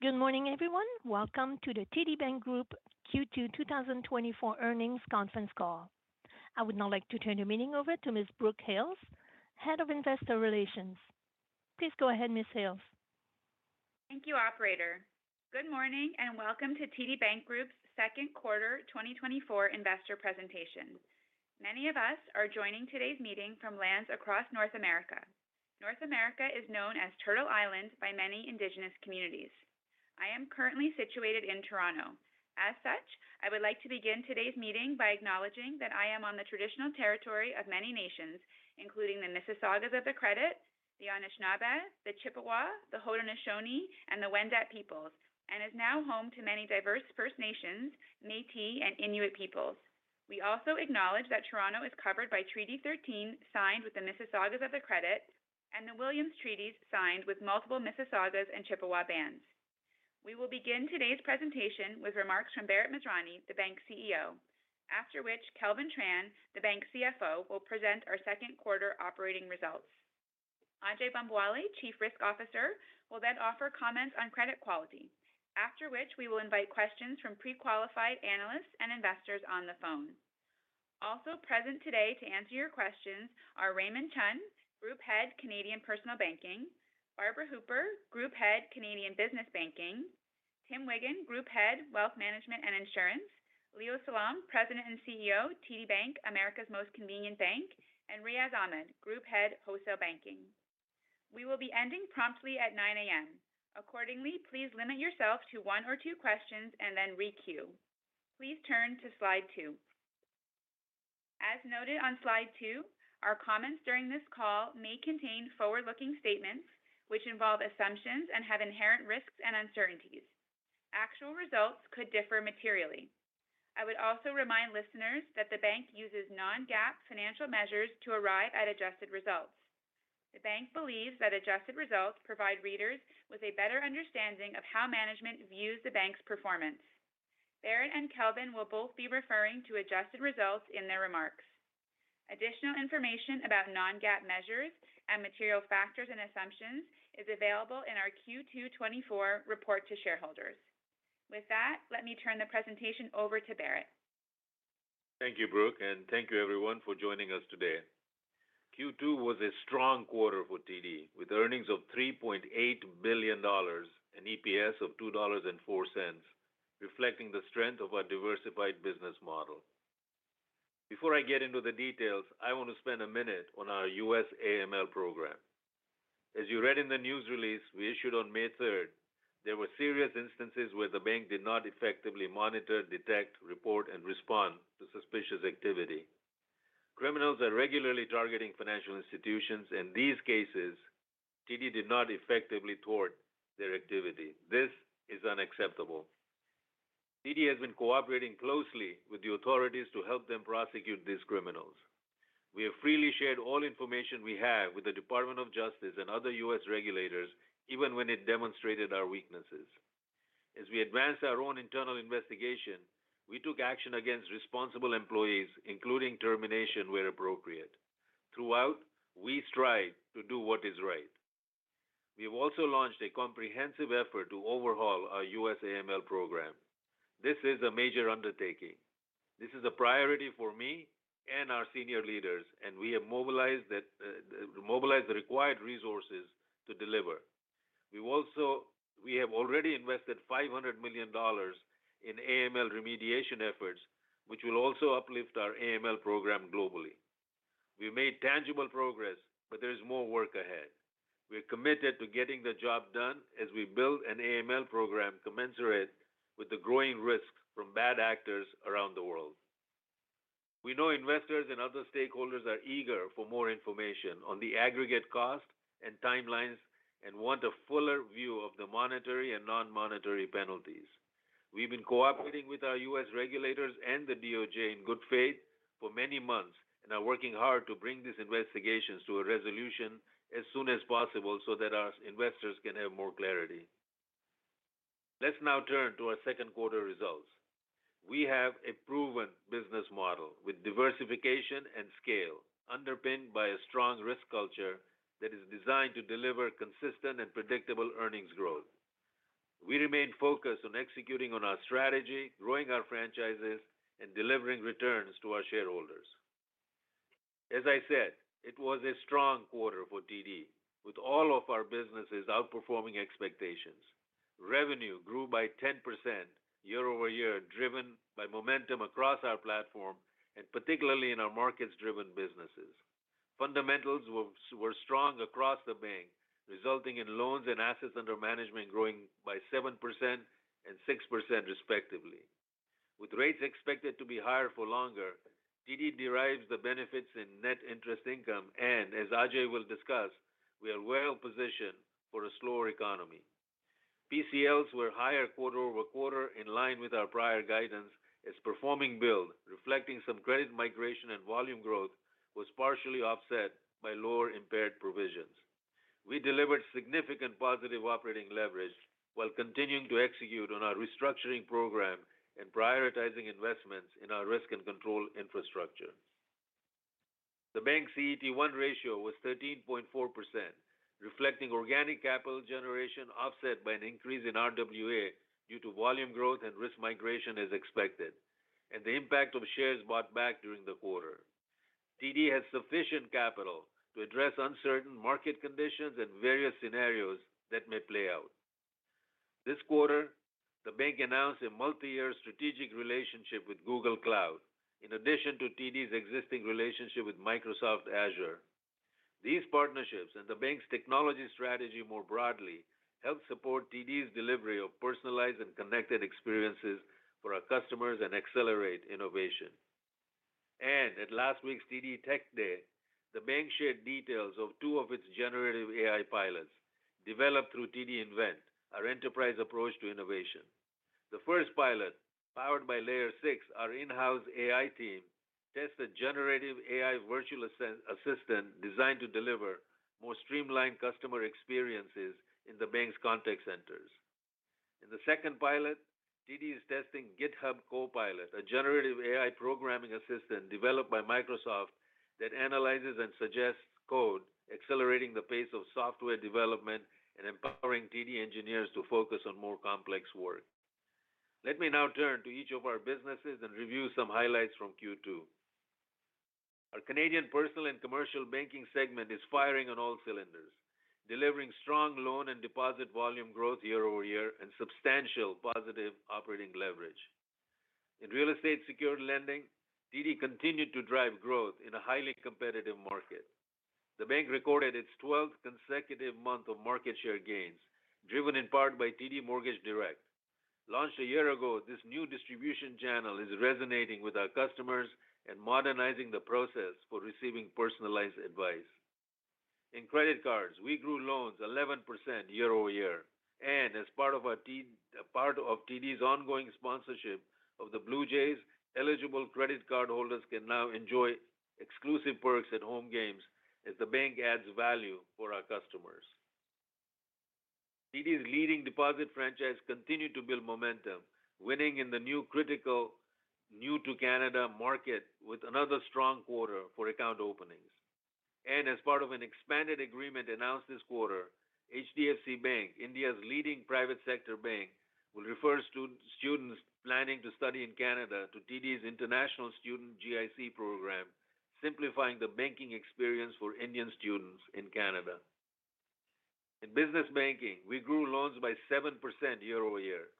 Good morning, everyone. Welcome to the TD Bank Group Q2 2024 earnings conference call. I would now like to turn the meeting over to Ms. Brooke Hales, Head of Investor Relations. Please go ahead, Ms. Hales. Thank you, operator. Good morning, and welcome to TD Bank Group's second quarter 2024 investor presentation. Many of us are joining today's meeting from lands across North America. North America is known as Turtle Island by many indigenous communities. I am currently situated in Toronto. As such, I would like to begin today's meeting by acknowledging that I am on the traditional territory of many nations, including the Mississaugas of the Credit, the Anishinaabe, the Chippewa, the Haudenosaunee, and the Wendat peoples, and is now home to many diverse First Nations, Métis, and Inuit peoples. We also acknowledge that Toronto is covered by Treaty 13, signed with the Mississaugas of the Credit, and the Williams Treaties, signed with multiple Mississaugas and Chippewa bands. We will begin today's presentation with remarks from Bharat Masrani, the bank's CEO, after which Kelvin Tran, the bank's CFO, will present our second quarter operating results. Ajai Bambawale, Chief Risk Officer, will then offer comments on credit quality, after which we will invite questions from pre-qualified analysts and investors on the phone. Also present today to answer your questions are Raymond Chun, Group Head, Canadian Personal Banking; Barbara Hooper, Group Head, Canadian Business Banking; Tim Wiggan, Group Head, Wealth Management and Insurance; Leo Salom, President and CEO, TD Bank, America's Most Convenient Bank; and Riaz Ahmed, Group Head, Wholesale Banking. We will be ending promptly at 9:00 A.M. Accordingly, please limit yourself to one or two questions and then requeue. Please turn to slide two. As noted on slide two, our comments during this call may contain forward-looking statements, which involve assumptions and have inherent risks and uncertainties. Actual results could differ materially. I would also remind listeners that the bank uses non-GAAP financial measures to arrive at adjusted results. The bank believes that adjusted results provide readers with a better understanding of how management views the bank's performance. Bharat and Kelvin will both be referring to adjusted results in their remarks. Additional information about non-GAAP measures and material factors and assumptions is available in our Q2 2024 report to shareholders. With that, let me turn the presentation over to Bharat. Thank you, Brooke, and thank you everyone for joining us today. Q2 was a strong quarter for TD, with earnings of 3.8 billion dollars, an EPS of 2.04 dollars, reflecting the strength of our diversified business model. Before I get into the details, I want to spend a minute on our U.S. AML program. As you read in the news release we issued on May 3, there were serious instances where the bank did not effectively monitor, detect, report, and respond to suspicious activity. Criminals are regularly targeting financial institutions. In these cases, TD did not effectively thwart their activity. This is unacceptable. TD has been cooperating closely with the authorities to help them prosecute these criminals. We have freely shared all information we have with the U.S. Department of Justice and other U.S. regulators, even when it demonstrated our weaknesses. As we advanced our own internal investigation, we took action against responsible employees, including termination, where appropriate. Throughout, we strive to do what is right. We have also launched a comprehensive effort to overhaul our U.S. AML program. This is a major undertaking. This is a priority for me and our senior leaders, and we have mobilized the required resources to deliver. We've also... We have already invested $500 million in AML remediation efforts, which will also uplift our AML program globally. We've made tangible progress, but there is more work ahead. We are committed to getting the job done as we build an AML program commensurate with the growing risk from bad actors around the world. We know investors and other stakeholders are eager for more information on the aggregate cost and timelines and want a fuller view of the monetary and non-monetary penalties. We've been cooperating with our U.S. regulators and the DOJ in good faith for many months and are working hard to bring these investigations to a resolution as soon as possible so that our investors can have more clarity. Let's now turn to our second quarter results. We have a proven business model with diversification and scale, underpinned by a strong risk culture that is designed to deliver consistent and predictable earnings growth. We remain focused on executing on our strategy, growing our franchises, and delivering returns to our shareholders. As I said, it was a strong quarter for TD, with all of our businesses outperforming expectations. Revenue grew by 10% year-over-year, driven by momentum across our platform and particularly in our markets-driven businesses. Fundamentals were strong across the bank, resulting in loans and assets under management growing by 7% and 6%, respectively. With rates expected to be higher for longer, TD derives the benefits in net interest income, and as Ajai will discuss, we are well positioned for a slower economy. PCLs were higher quarter-over-quarter, in line with our prior guidance, as performing build, reflecting some credit migration and volume growth, was partially offset by lower impaired provisions. We delivered significant positive operating leverage while continuing to execute on our restructuring program and prioritizing investments in our risk and control infrastructure.... The bank's CET1 ratio was 13.4%, reflecting organic capital generation offset by an increase in RWA due to volume growth and risk migration as expected, and the impact of shares bought back during the quarter. TD has sufficient capital to address uncertain market conditions and various scenarios that may play out. This quarter, the bank announced a multi-year strategic relationship with Google Cloud, in addition to TD's existing relationship with Microsoft Azure. These partnerships and the bank's technology strategy more broadly, help support TD's delivery of personalized and connected experiences for our customers and accelerate innovation. At last week's TD Tech Day, the bank shared details of two of its generative AI pilots developed through TD Invent, our enterprise approach to innovation. The first pilot, powered by Layer 6, our in-house AI team, tests the generative AI virtual assistant designed to deliver more streamlined customer experiences in the bank's contact centers. In the second pilot, TD is testing GitHub Copilot, a generative AI programming assistant developed by Microsoft that analyzes and suggests code, accelerating the pace of software development and empowering TD engineers to focus on more complex work. Let me now turn to each of our businesses and review some highlights from Q2. Our Canadian personal and commercial banking segment is firing on all cylinders, delivering strong loan and deposit volume growth year-over-year and substantial positive operating leverage. In real estate-secured lending, TD continued to drive growth in a highly competitive market. The bank recorded its twelfth consecutive month of market share gains, driven in part by TD Mortgage Direct. Launched a year ago, this new distribution channel is resonating with our customers and modernizing the process for receiving personalized advice. In credit cards, we grew loans 11% year-over-year, and as part of TD's ongoing sponsorship of the Blue Jays, eligible credit card holders can now enjoy exclusive perks at home games as the bank adds value for our customers. TD's leading deposit franchise continued to build momentum, winning in the new, critical new-to-Canada market with another strong quarter for account openings. As part of an expanded agreement announced this quarter, HDFC Bank, India's leading private sector bank, will refer students planning to study in Canada to TD's international student GIC program, simplifying the banking experience for Indian students in Canada. In business banking, we grew loans by 7% year-over-year.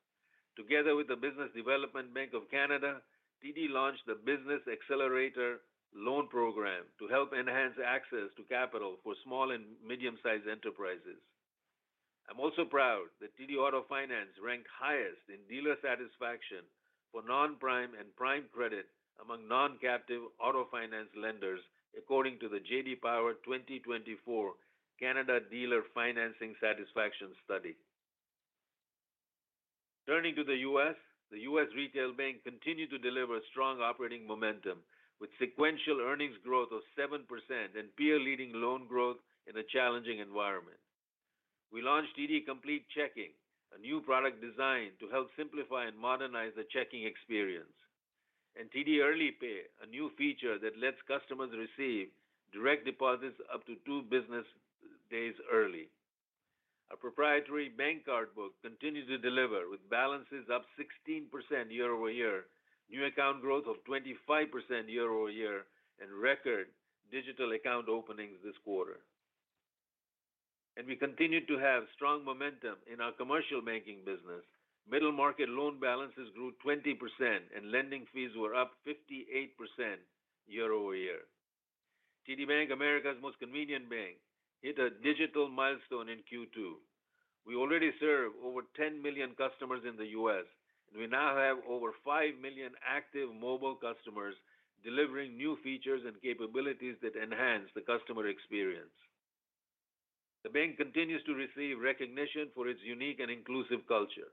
Together with the Business Development Bank of Canada, TD launched the Business Accelerator Loan program to help enhance access to capital for small and medium-sized enterprises. I'm also proud that TD Auto Finance ranked highest in dealer satisfaction for non-prime and prime credit among non-captive auto finance lenders, according to the J.D. Power 2024 Canada Dealer Financing Satisfaction Study. Turning to the U.S., the U.S. Retail Bank continued to deliver strong operating momentum, with sequential earnings growth of 7% and peer-leading loan growth in a challenging environment. We launched TD Complete Checking, a new product designed to help simplify and modernize the checking experience, and TD Early Pay, a new feature that lets customers receive direct deposits up to 2 business days early. Our proprietary bank card book continues to deliver, with balances up 16% year-over-year, new account growth of 25% year-over-year, and record digital account openings this quarter. We continued to have strong momentum in our commercial banking business. Middle market loan balances grew 20%, and lending fees were up 58% year-over-year. TD Bank, America's Most Convenient Bank, hit a digital milestone in Q2. We already serve over 10 million customers in the U.S., and we now have over 5 million active mobile customers, delivering new features and capabilities that enhance the customer experience. The bank continues to receive recognition for its unique and inclusive culture.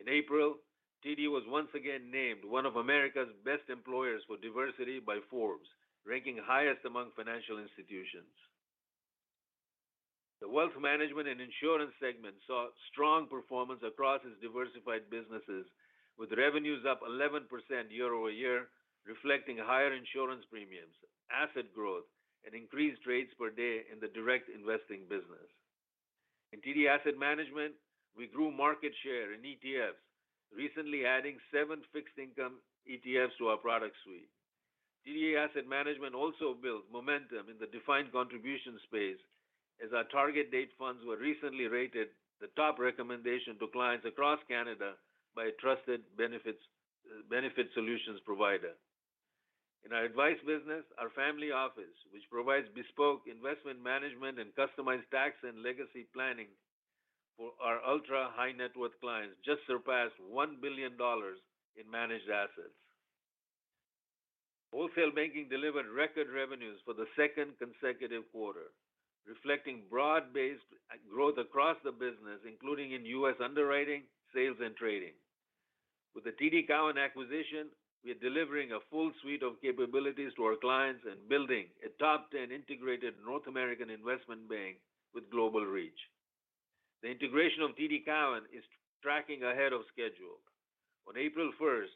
In April, TD was once again named one of America's best employers for diversity by Forbes, ranking highest among financial institutions. The Wealth Management and Insurance segment saw strong performance across its diversified businesses, with revenues up 11% year-over-year, reflecting higher insurance premiums, asset growth, and increased trades per day in the direct investing business. In TD Asset Management, we grew market share in ETFs, recently adding 7 fixed income ETFs to our product suite. TD Asset Management also built momentum in the defined contribution space, as our target date funds were recently rated the top recommendation to clients across Canada by a trusted benefits, benefit solutions provider. In our advice business, our family office, which provides bespoke investment management and customized tax and legacy planning for our ultra-high-net-worth clients, just surpassed 1 billion dollars in managed assets. Wholesale banking delivered record revenues for the second consecutive quarter, reflecting broad-based growth across the business, including in U.S. underwriting, sales, and trading. With the TD Cowen acquisition, we are delivering a full suite of capabilities to our clients and building a top-ten integrated North American investment bank with global reach. The integration of TD Cowen is tracking ahead of schedule. On April first,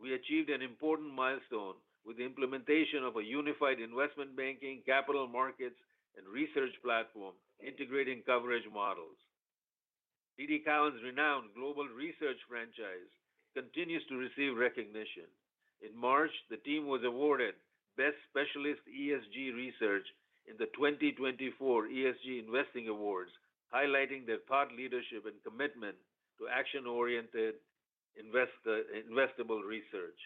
we achieved an important milestone with the implementation of a unified investment banking, capital markets, and research platform, integrating coverage models. TD Cowen's renowned global research franchise continues to receive recognition. In March, the team was awarded Best Specialist ESG Research in the 2024 ESG Investing Awards, highlighting their thought leadership and commitment to action-oriented investable research.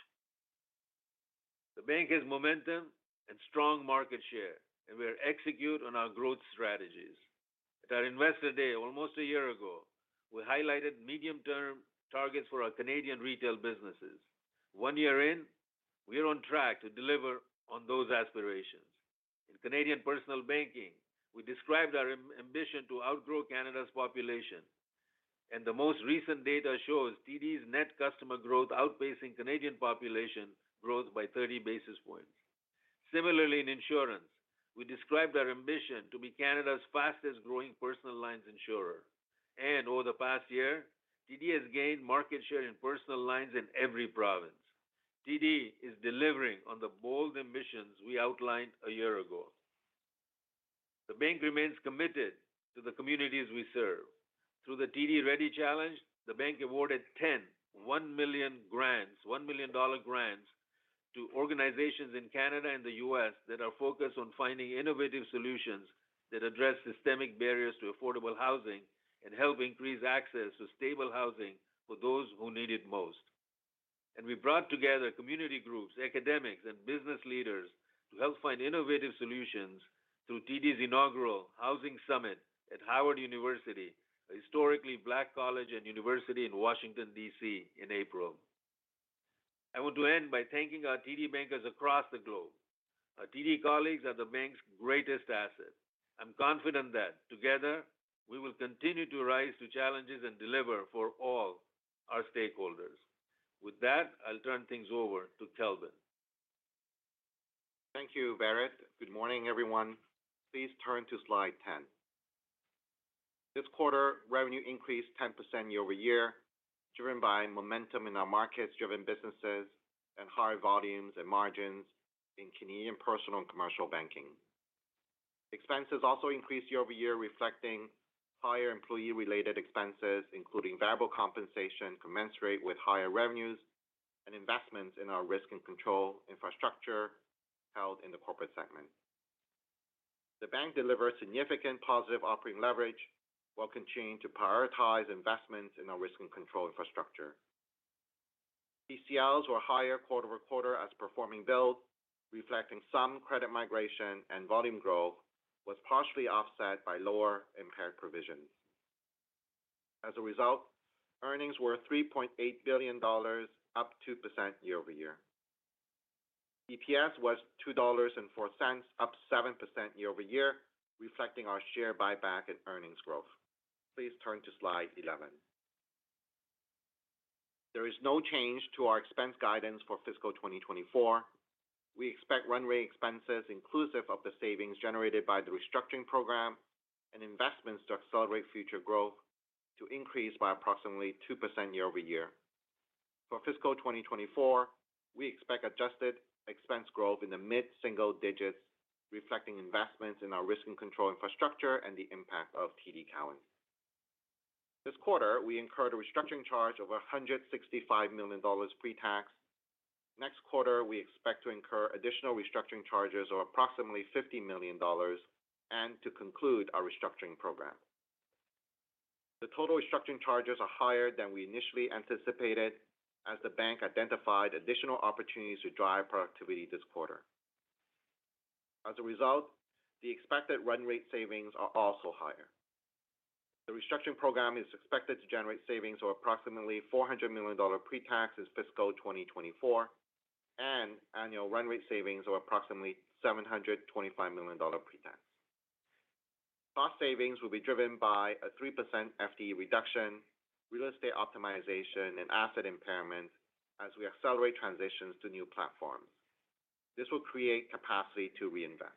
The bank has momentum and strong market share, and we are execute on our growth strategies. At our Investor Day, almost a year ago, we highlighted medium-term targets for our Canadian retail businesses. One year in, we are on track to deliver on those aspirations. In Canadian personal banking, we described our ambition to outgrow Canada's population, and the most recent data shows TD's net customer growth outpacing Canadian population growth by 30 basis points. Similarly, in insurance, we described our ambition to be Canada's fastest-growing personal lines insurer. Over the past year, TD has gained market share in personal lines in every province. TD is delivering on the bold ambitions we outlined a year ago. The bank remains committed to the communities we serve. Through the TD Ready Challenge, the bank awarded 10 $1 million grants, $1 million grants to organizations in Canada and the U.S. that are focused on finding innovative solutions that address systemic barriers to affordable housing and help increase access to stable housing for those who need it most. We brought together community groups, academics, and business leaders to help find innovative solutions through TD's inaugural Housing Summit at Howard University, a historically Black college and university in Washington, D.C. in April. I want to end by thanking our TD bankers across the globe. Our TD colleagues are the bank's greatest asset. I'm confident that together, we will continue to rise to challenges and deliver for all our stakeholders. With that, I'll turn things over to Kelvin. Thank you, Bharat. Good morning, everyone. Please turn to slide 10. This quarter, revenue increased 10% year-over-year, driven by momentum in our markets-driven businesses and higher volumes and margins in Canadian personal and commercial banking. Expenses also increased year-over-year, reflecting higher employee-related expenses, including variable compensation, commensurate with higher revenues and investments in our risk and control infrastructure held in the corporate segment. The bank delivered significant positive operating leverage while continuing to prioritize investments in our risk and control infrastructure. PCLs were higher quarter-over-quarter as performing build, reflecting some credit migration and volume growth, was partially offset by lower impaired provisions. As a result, earnings were CAD 3.8 billion, up 2% year-over-year. EPS was CAD 2.04, up 7% year-over-year, reflecting our share buyback and earnings growth. Please turn to slide 11. There is no change to our expense guidance for fiscal 2024. We expect run rate expenses, inclusive of the savings generated by the restructuring program and investments to accelerate future growth, to increase by approximately 2% year-over-year. For fiscal 2024, we expect adjusted expense growth in the mid-single digits, reflecting investments in our risk and control infrastructure and the impact of TD Cowen. This quarter, we incurred a restructuring charge of 165 million dollars pre-tax. Next quarter, we expect to incur additional restructuring charges of approximately 50 million dollars, and to conclude our restructuring program. The total restructuring charges are higher than we initially anticipated as the bank identified additional opportunities to drive productivity this quarter. As a result, the expected run rate savings are also higher. The restructuring program is expected to generate savings of approximately 400 million dollar pre-tax in fiscal 2024, and annual run rate savings of approximately 725 million dollar pre-tax. Cost savings will be driven by a 3% FTE reduction, real estate optimization, and asset impairment as we accelerate transitions to new platforms. This will create capacity to reinvest.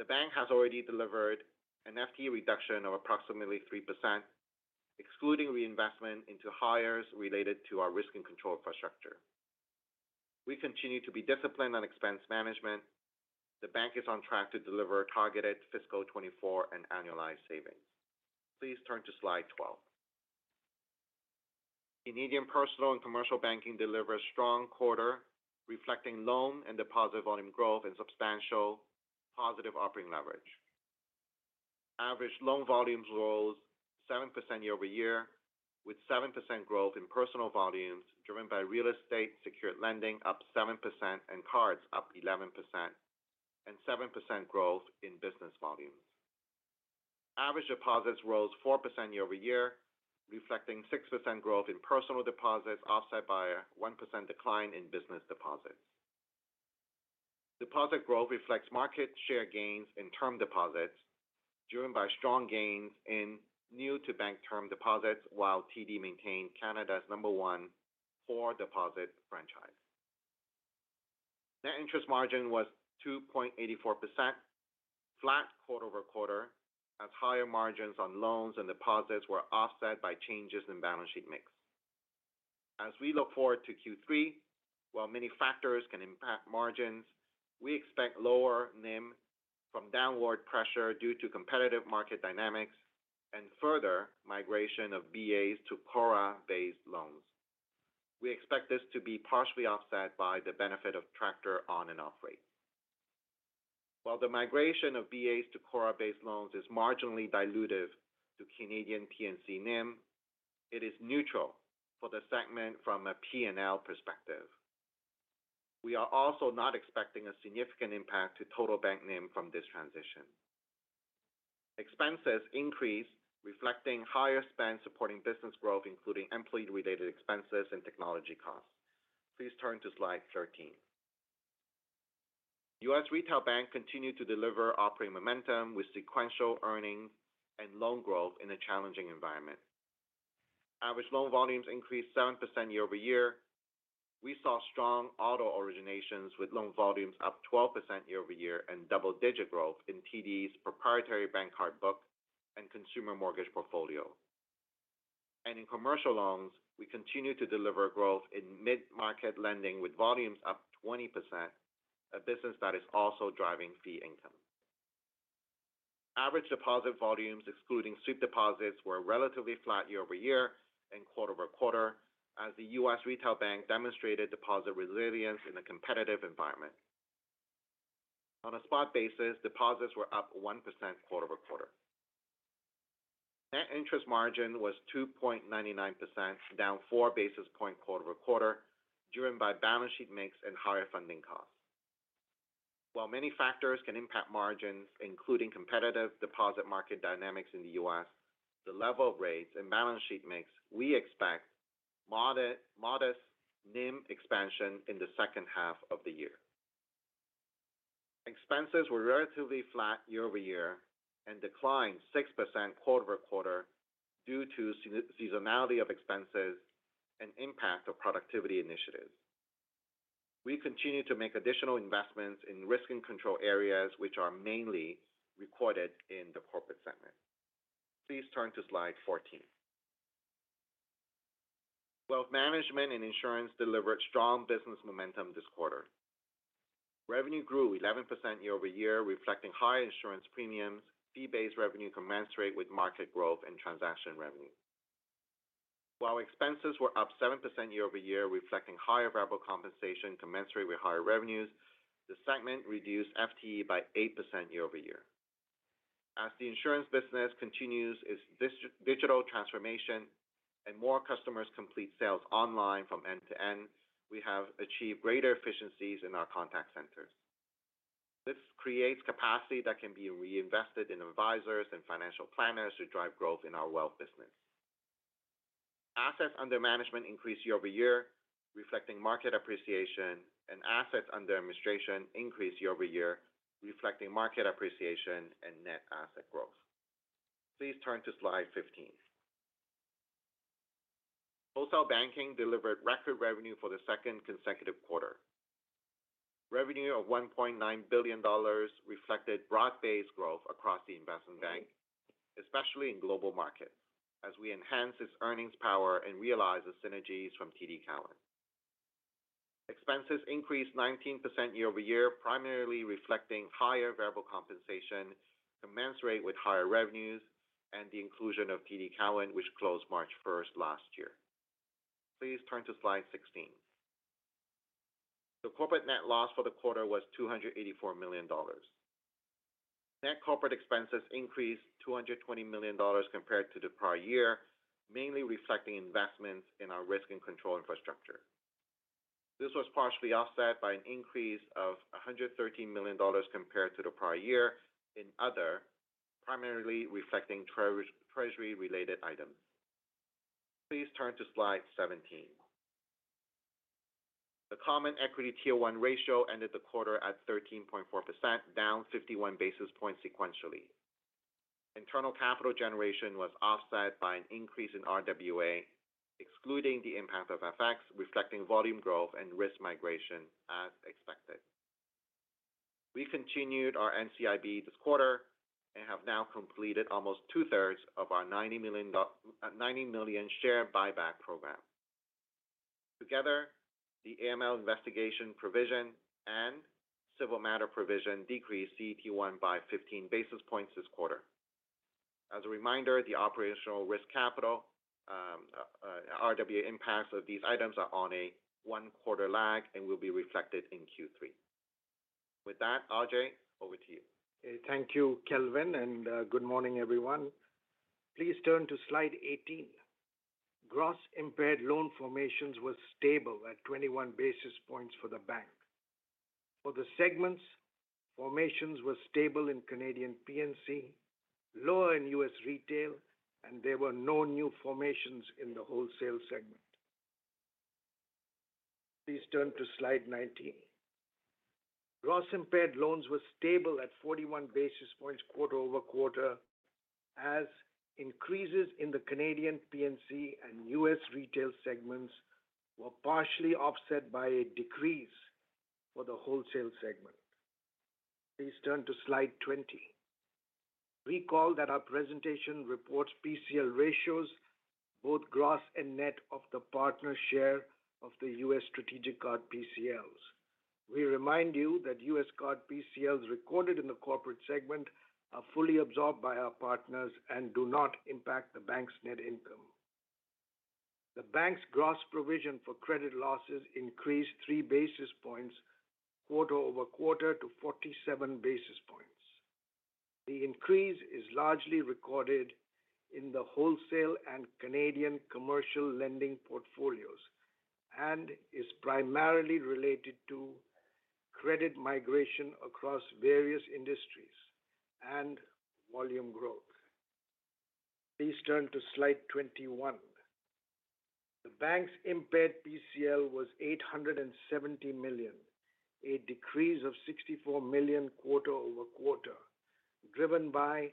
The bank has already delivered an FTE reduction of approximately 3%, excluding reinvestment into hires related to our risk and control infrastructure. We continue to be disciplined on expense management. The bank is on track to deliver targeted fiscal 2024 and annualized savings. Please turn to slide 12. In Canadian Personal and Commercial Banking delivered a strong quarter, reflecting loan and deposit volume growth and substantial positive operating leverage. Average loan volumes rose 7% year-over-year, with 7% growth in personal volumes, driven by real estate secured lending up 7%, and cards up 11%, and 7% growth in business volumes. Average deposits rose 4% year-over-year, reflecting 6% growth in personal deposits, offset by a 1% decline in business deposits. Deposit growth reflects market share gains in term deposits, driven by strong gains in new to bank term deposits, while TD maintained Canada's number one deposit franchise. Net interest margin was 2.84%, flat quarter-over-quarter, as higher margins on loans and deposits were offset by changes in balance sheet mix. As we look forward to Q3, while many factors can impact margins, we expect lower NIM from downward pressure due to competitive market dynamics and further migration of BAs to CORRA-based loans. We expect this to be partially offset by the benefit of the CORRA on and off rate. While the migration of BAs to CORRA-based loans is marginally dilutive to Canadian P&C NIM, it is neutral for the segment from a P&L perspective. We are also not expecting a significant impact to total bank NIM from this transition. Expenses increased, reflecting higher spend supporting business growth, including employee-related expenses and technology costs. Please turn to slide 13. U.S. Retail Bank continued to deliver operating momentum with sequential earnings and loan growth in a challenging environment. Average loan volumes increased 7% year-over-year. We saw strong auto originations, with loan volumes up 12% year-over-year and double-digit growth in TD's proprietary bank card book and consumer mortgage portfolio. And in commercial loans, we continued to deliver growth in mid-market lending, with volumes up 20%, a business that is also driving fee income. Average deposit volumes, excluding sweep deposits, were relatively flat year-over-year and quarter-over-quarter as the U.S. Retail Bank demonstrated deposit resilience in a competitive environment. On a spot basis, deposits were up 1% quarter-over-quarter. Net interest margin was 2.99%, down 4 basis points quarter-over-quarter, driven by balance sheet mix and higher funding costs. While many factors can impact margins, including competitive deposit market dynamics in the U.S., the level of rates and balance sheet mix, we expect modest NIM expansion in the second half of the year. Expenses were relatively flat year-over-year and declined 6% quarter-over-quarter due to seasonality of expenses and impact of productivity initiatives. We continue to make additional investments in risk and control areas, which are mainly recorded in the corporate segment. Please turn to slide 14. Wealth Management and Insurance delivered strong business momentum this quarter. Revenue grew 11% year-over-year, reflecting higher insurance premiums, fee-based revenue commensurate with market growth and transaction revenue. While expenses were up 7% year-over-year, reflecting higher variable compensation commensurate with higher revenues, the segment reduced FTE by 8% year-over-year. As the insurance business continues its digital transformation and more customers complete sales online from end to end, we have achieved greater efficiencies in our contact centers. This creates capacity that can be reinvested in advisors and financial planners to drive growth in our wealth business. Assets under management increased year-over-year, reflecting market appreciation, and assets under administration increased year-over-year, reflecting market appreciation and net asset growth. Please turn to slide 15. Wholesale Banking delivered record revenue for the second consecutive quarter. Revenue of 1.9 billion dollars reflected broad-based growth across the investment bank, especially in global markets, as we enhance its earnings power and realize the synergies from TD Cowen. Expenses increased 19% year-over-year, primarily reflecting higher variable compensation commensurate with higher revenues and the inclusion of TD Cowen, which closed March 1 last year. Please turn to slide 16. The corporate net loss for the quarter was 284 million dollars. Net corporate expenses increased 220 million dollars compared to the prior year, mainly reflecting investments in our risk and control infrastructure. This was partially offset by an increase of 113 million dollars compared to the prior year in other, primarily reflecting treasury-related items. Please turn to slide 17. The Common Equity Tier 1 ratio ended the quarter at 13.4%, down 51 basis points sequentially. Internal capital generation was offset by an increase in RWA, excluding the impact of FX, reflecting volume growth and risk migration as expected. We continued our NCIB this quarter and have now completed almost two-thirds of our 90 million share buyback program. Together, the AML investigation provision and civil matter provision decreased CET1 by 15 basis points this quarter. As a reminder, the operational risk capital RWA impacts of these items are on a one-quarter lag and will be reflected in Q3. With that, Ajai, over to you. Thank you, Kelvin, and good morning, everyone. Please turn to slide 18. Gross impaired loan formations were stable at 21 basis points for the bank. For the segments, formations were stable in Canadian P&C, lower in U.S. Retail, and there were no new formations in the Wholesale segment. Please turn to slide 19. Gross impaired loans were stable at 41 basis points quarter-over-quarter, as increases in the Canadian P&C and U.S. Retail segments were partially offset by a decrease for the Wholesale segment. Please turn to slide 20. Recall that our presentation reports PCL ratios, both gross and net, of the partner share of the U.S. strategic card PCLs. We remind you that U.S. card PCLs recorded in the corporate segment are fully absorbed by our partners and do not impact the bank's net income. The bank's gross provision for credit losses increased 3 basis points, quarter-over-quarter, to 47 basis points. The increase is largely recorded in the wholesale and Canadian commercial lending portfolios and is primarily related to credit migration across various industries and volume growth. Please turn to slide 21. The bank's impaired PCL was 870 million, a decrease of 64 million quarter-over-quarter, driven by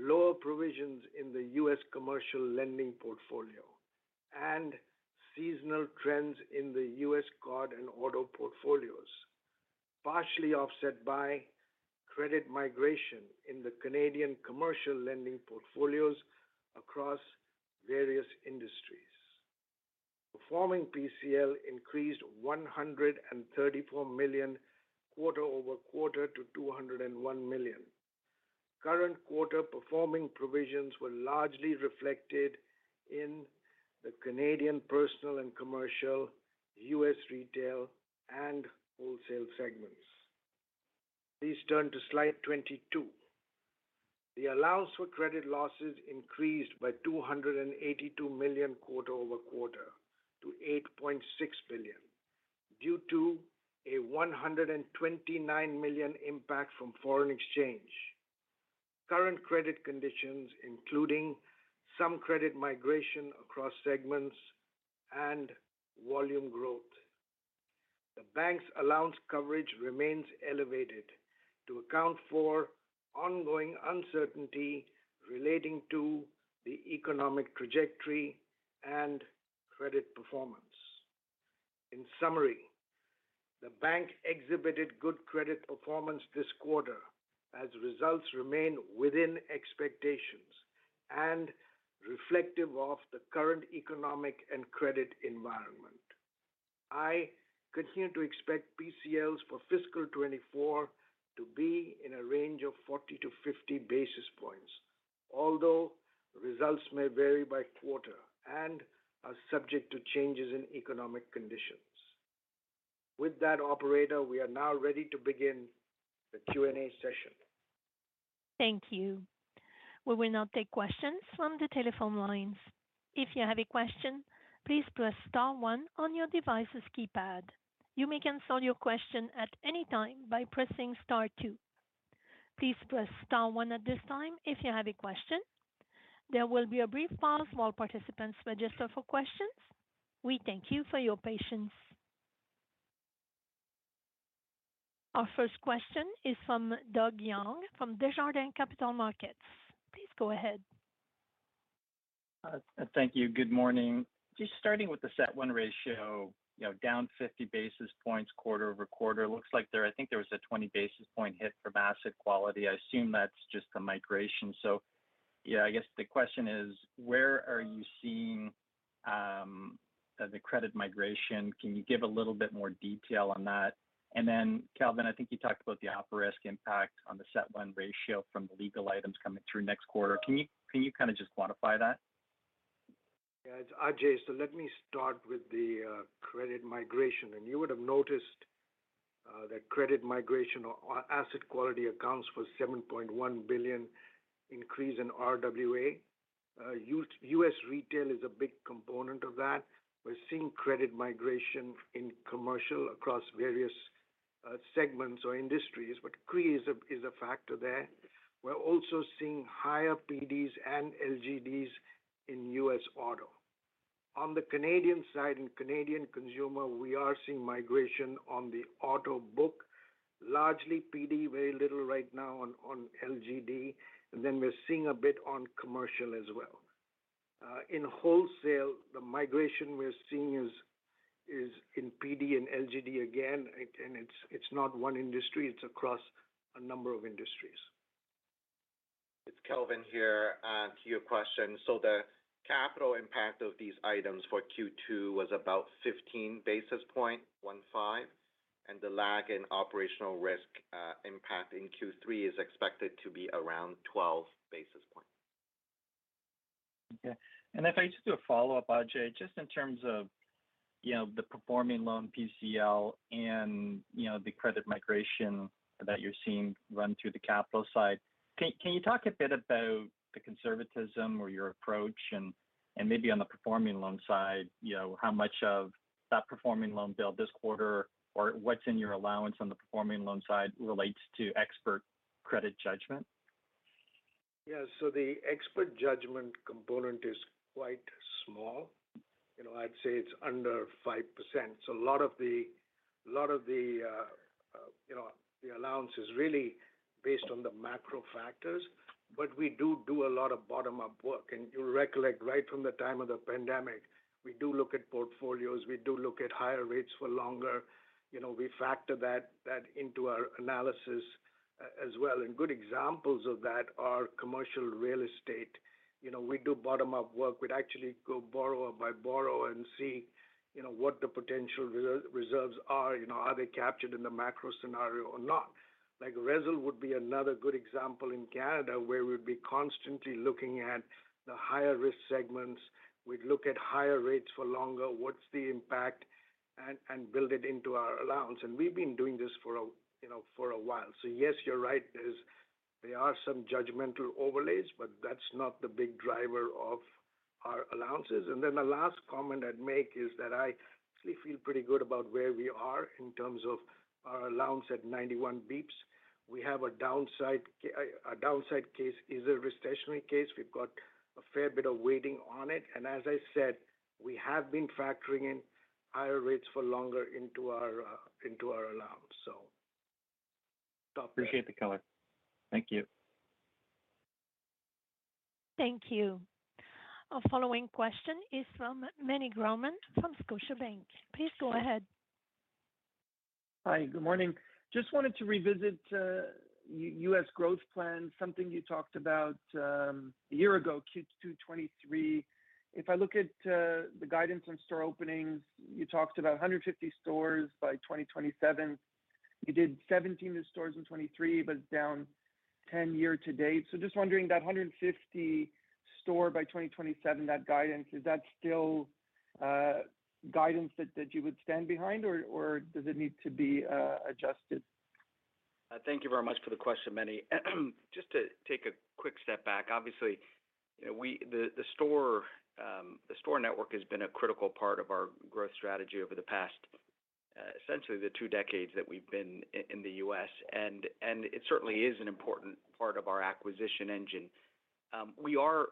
lower provisions in the U.S. commercial lending portfolio and seasonal trends in the U.S. card and auto portfolios, partially offset by credit migration in the Canadian commercial lending portfolios across various industries. Performing PCL increased 134 million quarter-over-quarter to 201 million. Current quarter-performing provisions were largely reflected in the Canadian personal and commercial, U.S. retail, and wholesale segments. Please turn to slide 22. The allowance for credit losses increased by 282 million quarter over quarter to 8.6 billion, due to a 129 million impact from foreign exchange. Current credit conditions, including some credit migration across segments and volume growth. The bank's allowance coverage remains elevated to account for ongoing uncertainty relating to the economic trajectory and credit performance. In summary, the bank exhibited good credit performance this quarter, as results remain within expectations and reflective of the current economic and credit environment. I continue to expect PCLs for fiscal 2024 to be in a range of 40-50 basis points, although results may vary by quarter and are subject to changes in economic conditions. With that, operator, we are now ready to begin the Q&A session. Thank you. We will now take questions from the telephone lines. If you have a question, please press star one on your device's keypad. You may cancel your question at any time by pressing star two. Please press star one at this time if you have a question. There will be a brief pause while participants register for questions. We thank you for your patience. Our first question is from Doug Young, from Desjardins Capital Markets. Please go ahead. Thank you. Good morning. Just starting with the CET1 ratio, you know, down 50 basis points quarter-over-quarter. Looks like there I think there was a 20 basis point hit from asset quality. I assume that's just the migration. So yeah, I guess the question is: where are you seeing the credit migration? Can you give a little bit more detail on that? And then, Kelvin, I think you talked about the op risk impact on the CET1 ratio from the legal items coming through next quarter. Can you, can you kinda just quantify that? Yeah, it's Ajai. So let me start with the credit migration. You would have noticed that credit migration or asset quality accounts for 7.1 billion increase in RWA. U.S. retail is a big component of that. We're seeing credit migration in commercial across various segments or industries, but CRE is a factor there. We're also seeing higher PDs and LGDs in U.S. Auto. On the Canadian side, in Canadian consumer, we are seeing migration on the auto book, largely PD, very little right now on LGD, and then we're seeing a bit on commercial as well. In wholesale, the migration we're seeing is in PD and LGD again, and it's not one industry, it's across a number of industries. It's Kelvin here. To your question, so the capital impact of these items for Q2 was about 15 basis points, one five, and the lag in operational risk impact in Q3 is expected to be around 12 basis points. Okay. If I just do a follow-up, Ajai, just in terms of, you know, the performing loan PCL and, you know, the credit migration that you're seeing run through the capital side, can you talk a bit about the conservatism or your approach? And maybe on the performing loan side, you know, how much of that performing loan build this quarter, or what's in your allowance on the performing loan side relates to expert credit judgment? Yeah, so the expert judgment component is quite small. You know, I'd say it's under 5%. So a lot of the, you know, the allowance is really based on the macro factors, but we do do a lot of bottom-up work. And you'll recollect right from the time of the pandemic, we do look at portfolios, we do look at higher rates for longer. You know, we factor that into our analysis, as well. And good examples of that are commercial real estate. You know, we do bottom-up work. We'd actually go borrower by borrower and see, you know, what the potential reserves are. You know, are they captured in the macro scenario or not? Like, RESL would be another good example in Canada, where we'd be constantly looking at the higher risk segments. We'd look at higher rates for longer, what's the impact, and build it into our allowance. And we've been doing this for a, you know, for a while. So yes, you're right, there are some judgmental overlays, but that's not the big driver of our allowances. And then the last comment I'd make is that I actually feel pretty good about where we are in terms of our allowance at 91 basis points. We have a downside case, our downside case is a recessionary case. We've got a fair bit of weighting on it, and as I said, we have been factoring in higher rates for longer into our allowance, so. Appreciate the color. Thank you. Thank you. Our following question is from Manny Grauman from Scotiabank. Please go ahead. Hi, good morning. Just wanted to revisit, U.S. growth plan, something you talked about, a year ago, Q2 2023. If I look at, the guidance on store openings, you talked about 150 stores by 2027. You did 17 new stores in 2023, but it's down 10 year to date. So just wondering, that 150 store by 2027, that guidance, is that still, guidance that, that you would stand behind, or, or does it need to be, adjusted? Thank you very much for the question, Manny. Just to take a quick step back, obviously, you know, the store network has been a critical part of our growth strategy over the past, essentially the two decades that we've been in the U.S., and it certainly is an important part of our acquisition engine. We are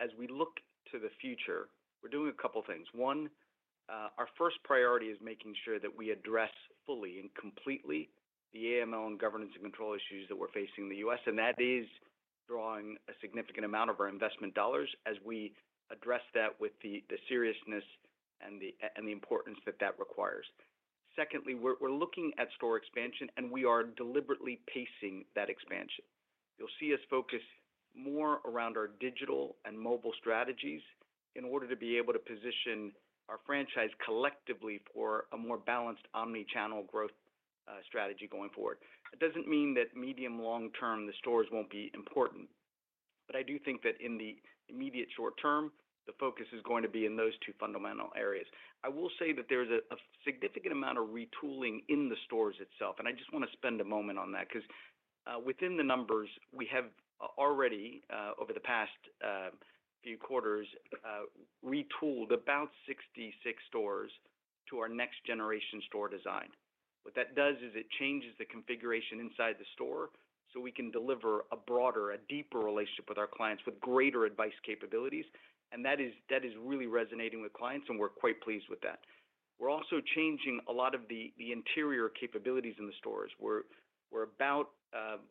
as we look to the future, we're doing a couple things. One, our first priority is making sure that we address fully and completely the AML and governance and control issues that we're facing in the U.S., and that is drawing a significant amount of our investment dollars as we address that with the seriousness and the importance that that requires. Secondly, we're looking at store expansion, and we are deliberately pacing that expansion. You'll see us focus more around our digital and mobile strategies in order to be able to position our franchise collectively for a more balanced omni-channel growth strategy going forward. It doesn't mean that medium, long term, the stores won't be important, but I do think that in the immediate short term, the focus is going to be in those two fundamental areas. I will say that there's a significant amount of retooling in the stores itself, and I just want to spend a moment on that because within the numbers, we have already over the past few quarters retooled about 66 stores to our next generation store design. What that does is it changes the configuration inside the store so we can deliver a broader, deeper relationship with our clients with greater advice capabilities, and that is really resonating with clients, and we're quite pleased with that. We're also changing a lot of the interior capabilities in the stores. We're about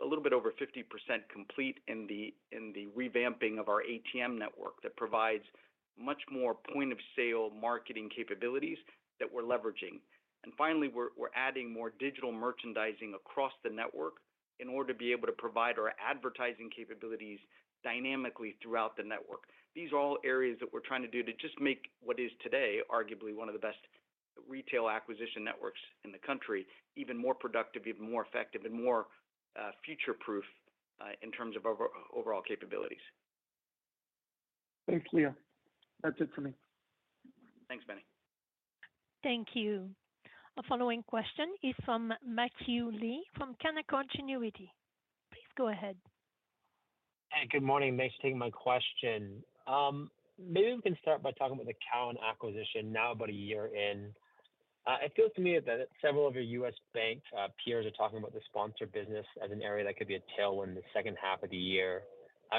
a little bit over 50% complete in the revamping of our ATM network that provides much more point-of-sale marketing capabilities that we're leveraging. And finally, we're adding more digital merchandising across the network in order to be able to provide our advertising capabilities dynamically throughout the network. These are all areas that we're trying to do to just make what is today, arguably one of the best retail acquisition networks in the country, even more productive, even more effective, and more future-proof in terms of overall capabilities. Thanks, Leo. That's it for me. Thanks, Manny. Thank you. Our following question is from Matthew Lee from Canaccord Genuity. Please go ahead. Hey, good morning. Thanks for taking my question. Maybe we can start by talking about the Cowen acquisition now about a year in. It feels to me that several of your U.S. bank peers are talking about the sponsor business as an area that could be a tailwind in the second half of the year.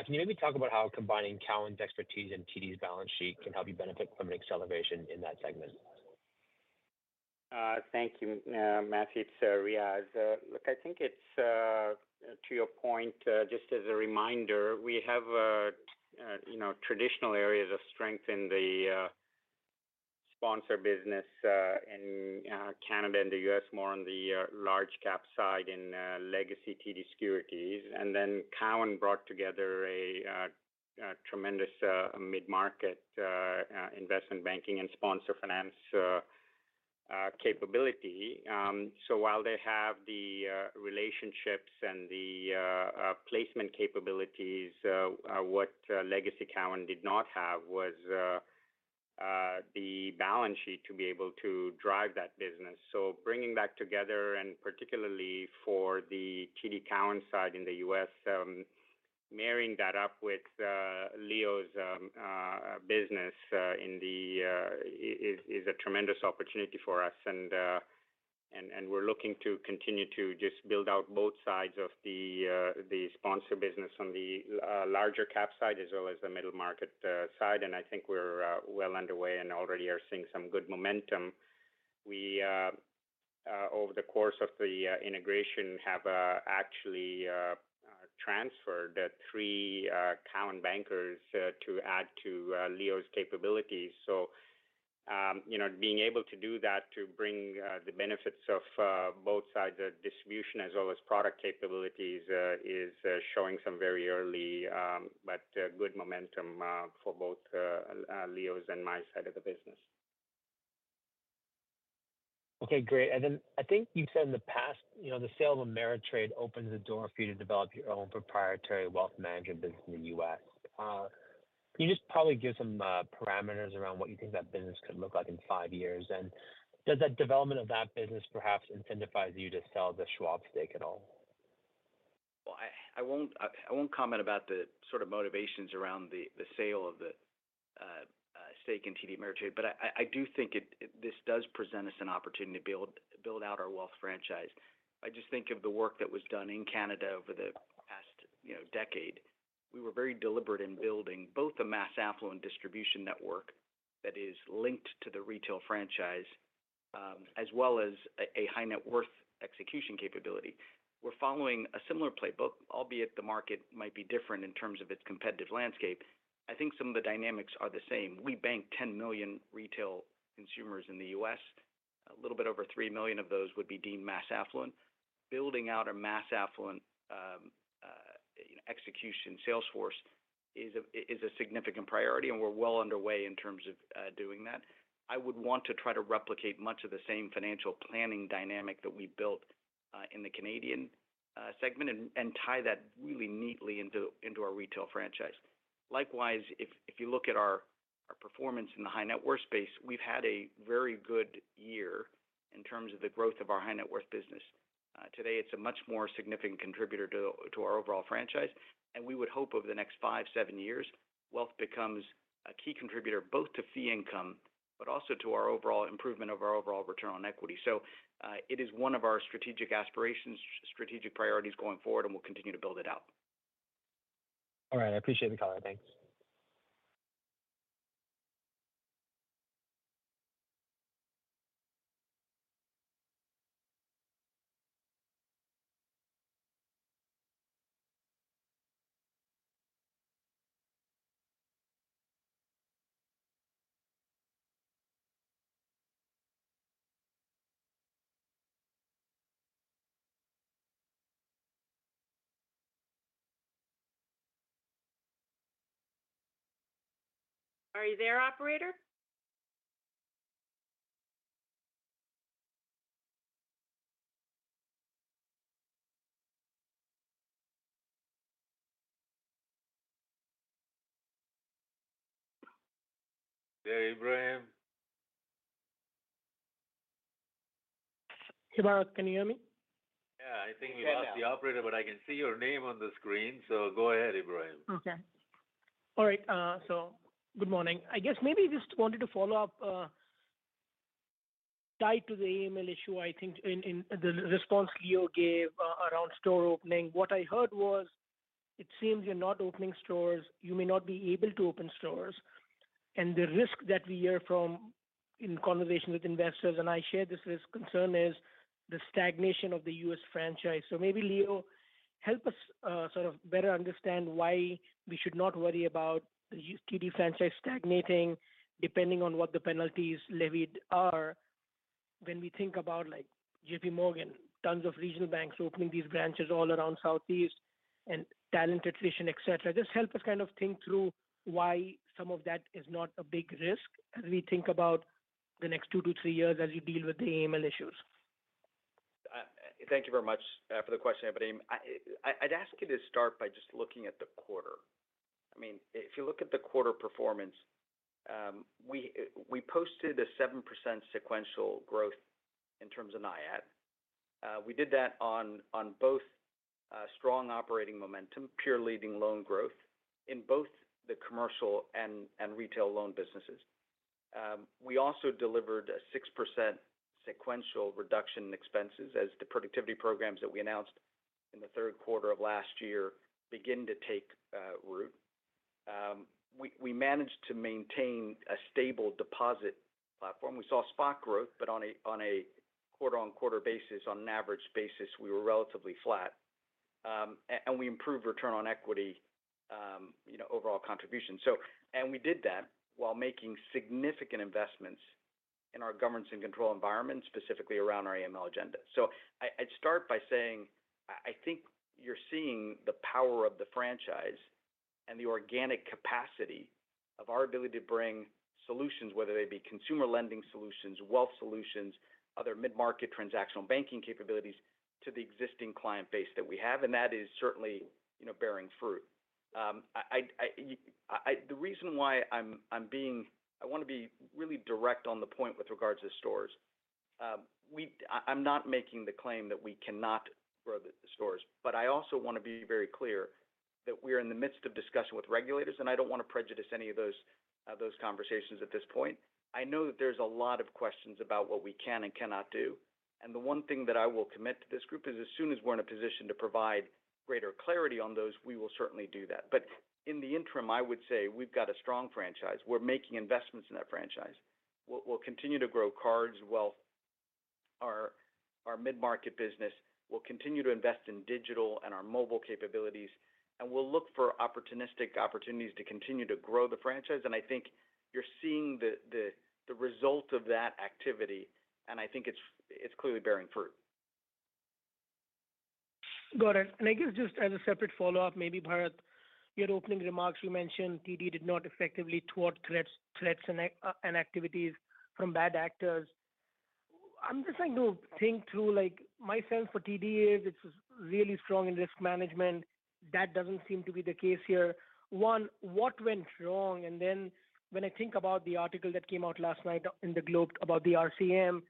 Can you maybe talk about how combining Cowen's expertise and TD's balance sheet can help you benefit from an acceleration in that segment? Thank you, Matthew. It's Riaz. Look, I think it's to your point, just as a reminder, we have a, you know, traditional areas of strength in the sponsor business, in Canada and the U.S., more on the large cap side in legacy TD Securities. And then Cowen brought together a tremendous mid-market investment banking and sponsor finance capability. So while they have the relationships and the placement capabilities, what legacy Cowen did not have was the balance sheet to be able to drive that business. So bringing back together, and particularly for the TD Cowen side in the U.S., marrying that up with Leo's business, in the... It is a tremendous opportunity for us, and we're looking to continue to just build out both sides of the sponsor business on the larger cap side, as well as the middle market side. And I think we're well underway and already are seeing some good momentum. We over the course of the integration have actually transferred 3 talent bankers to add to Leo's capabilities. So, you know, being able to do that to bring the benefits of both sides of distribution as well as product capabilities is showing some very early, but good momentum for both Leo's and my side of the business. Okay, great. And then I think you said in the past, you know, the sale of Ameritrade opens the door for you to develop your own proprietary wealth management business in the U.S. Can you just probably give some parameters around what you think that business could look like in five years? And does that development of that business perhaps incentivize you to sell the Schwab stake at all? Well, I won't comment about the sort of motivations around the sale of the stake in TD Ameritrade, but I do think it—this does present us an opportunity to build out our wealth franchise. I just think of the work that was done in Canada over the past, you know, decade. We were very deliberate in building both the mass affluent distribution network that is linked to the retail franchise, as well as a high net worth execution capability. We're following a similar playbook, albeit the market might be different in terms of its competitive landscape. I think some of the dynamics are the same. We bank 10 million retail consumers in the U.S. A little bit over 3 million of those would be deemed mass affluent. Building out a mass affluent, execution sales force is a significant priority, and we're well underway in terms of doing that. I would want to try to replicate much of the same financial planning dynamic that we built in the Canadian segment and tie that really neatly into our retail franchise. Likewise, if you look at our performance in the high net worth space, we've had a very good year in terms of the growth of our high net worth business. Today, it's a much more significant contributor to our overall franchise, and we would hope over the next 5-7 years, wealth becomes a key contributor both to fee income, but also to our overall improvement of our overall return on equity. It is one of our strategic aspirations, strategic priorities going forward, and we'll continue to build it out. All right. I appreciate the call. Thanks. Are you there, operator? Yeah, Ebrahim. Hey Mark, can you hear me? Yeah, I think we lost the operator, but I can see your name on the screen, so go ahead, Ebrahim. Okay. All right, so good morning. I guess maybe just wanted to follow up, tied to the AML issue. I think in the response Leo gave, around store opening. What I heard was, it seems you're not opening stores, you may not be able to open stores, and the risk that we hear from in conversation with investors, and I share this risk concern, is the stagnation of the U.S. franchise. So maybe, Leo, help us sort of better understand why we should not worry about the TD franchise stagnating, depending on what the penalties levied are, when we think about, like, JP Morgan, tons of regional banks opening these branches all around Southeast and talent attrition, et cetera. Just help us kind of think through why some of that is not a big risk as we think about the next 2-3 years as you deal with the AML issues. Thank you very much for the question, Ebrahim. I'd ask you to start by just looking at the quarter. I mean, if you look at the quarter performance, we posted a 7% sequential growth in terms of NIAT. We did that on both strong operating momentum, fueling loan growth in both the commercial and retail loan businesses. We also delivered a 6% sequential reduction in expenses as the productivity programs that we announced in the third quarter of last year begin to take root. We managed to maintain a stable deposit platform. We saw solid growth, but on a quarter-on-quarter basis, on an average basis, we were relatively flat. And we improved return on equity, you know, overall contribution. And we did that while making significant investments in our governance and control environment, specifically around our AML agenda. So I'd start by saying, I think you're seeing the power of the franchise and the organic capacity of our ability to bring solutions, whether they be consumer lending solutions, wealth solutions, other mid-market transactional banking capabilities to the existing client base that we have, and that is certainly, you know, bearing fruit. The reason why I'm being, I want to be really direct on the point with regards to stores. I'm not making the claim that we cannot grow the stores, but I also want to be very clear that we're in the midst of discussion with regulators, and I don't want to prejudice any of those conversations at this point. I know that there's a lot of questions about what we can and cannot do, and the one thing that I will commit to this group is as soon as we're in a position to provide greater clarity on those, we will certainly do that. But in the interim, I would say we've got a strong franchise. We're making investments in that franchise. We'll continue to grow cards, wealth, our mid-market business. We'll continue to invest in digital and our mobile capabilities, and we'll look for opportunistic opportunities to continue to grow the franchise. And I think you're seeing the result of that activity, and I think it's clearly bearing fruit. Got it. I guess just as a separate follow-up, maybe Bharat, your opening remarks, you mentioned TD did not effectively thwart threats and activities from bad actors. I'm just trying to think through, like, my sense for TD is it's really strong in risk management. That doesn't seem to be the case here. One, what went wrong? Then when I think about the article that came out last night out in the Globe about the RCMP,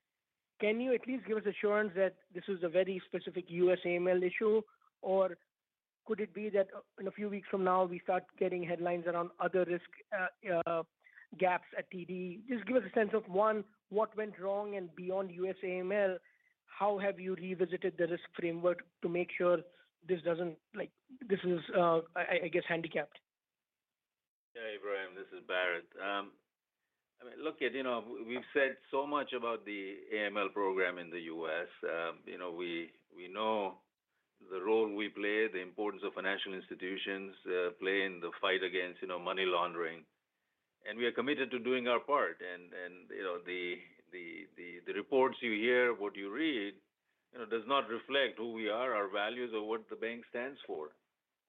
can you at least give us assurance that this is a very specific U.S. AML issue? Or could it be that in a few weeks from now, we start getting headlines around other risk gaps at TD? Just give us a sense of, one, what went wrong, and beyond U.S. AML, how have you revisited the risk framework to make sure this doesn't... Like, this is, I guess, handicapped. Hey, Ebrahim, this is Bharat. I mean, look, you know, we've said so much about the AML program in the U.S. You know, we know the role we play, the importance of financial institutions play in the fight against, you know, money laundering, and we are committed to doing our part. You know, the reports you hear, what you read, you know, does not reflect who we are, our values, or what the bank stands for,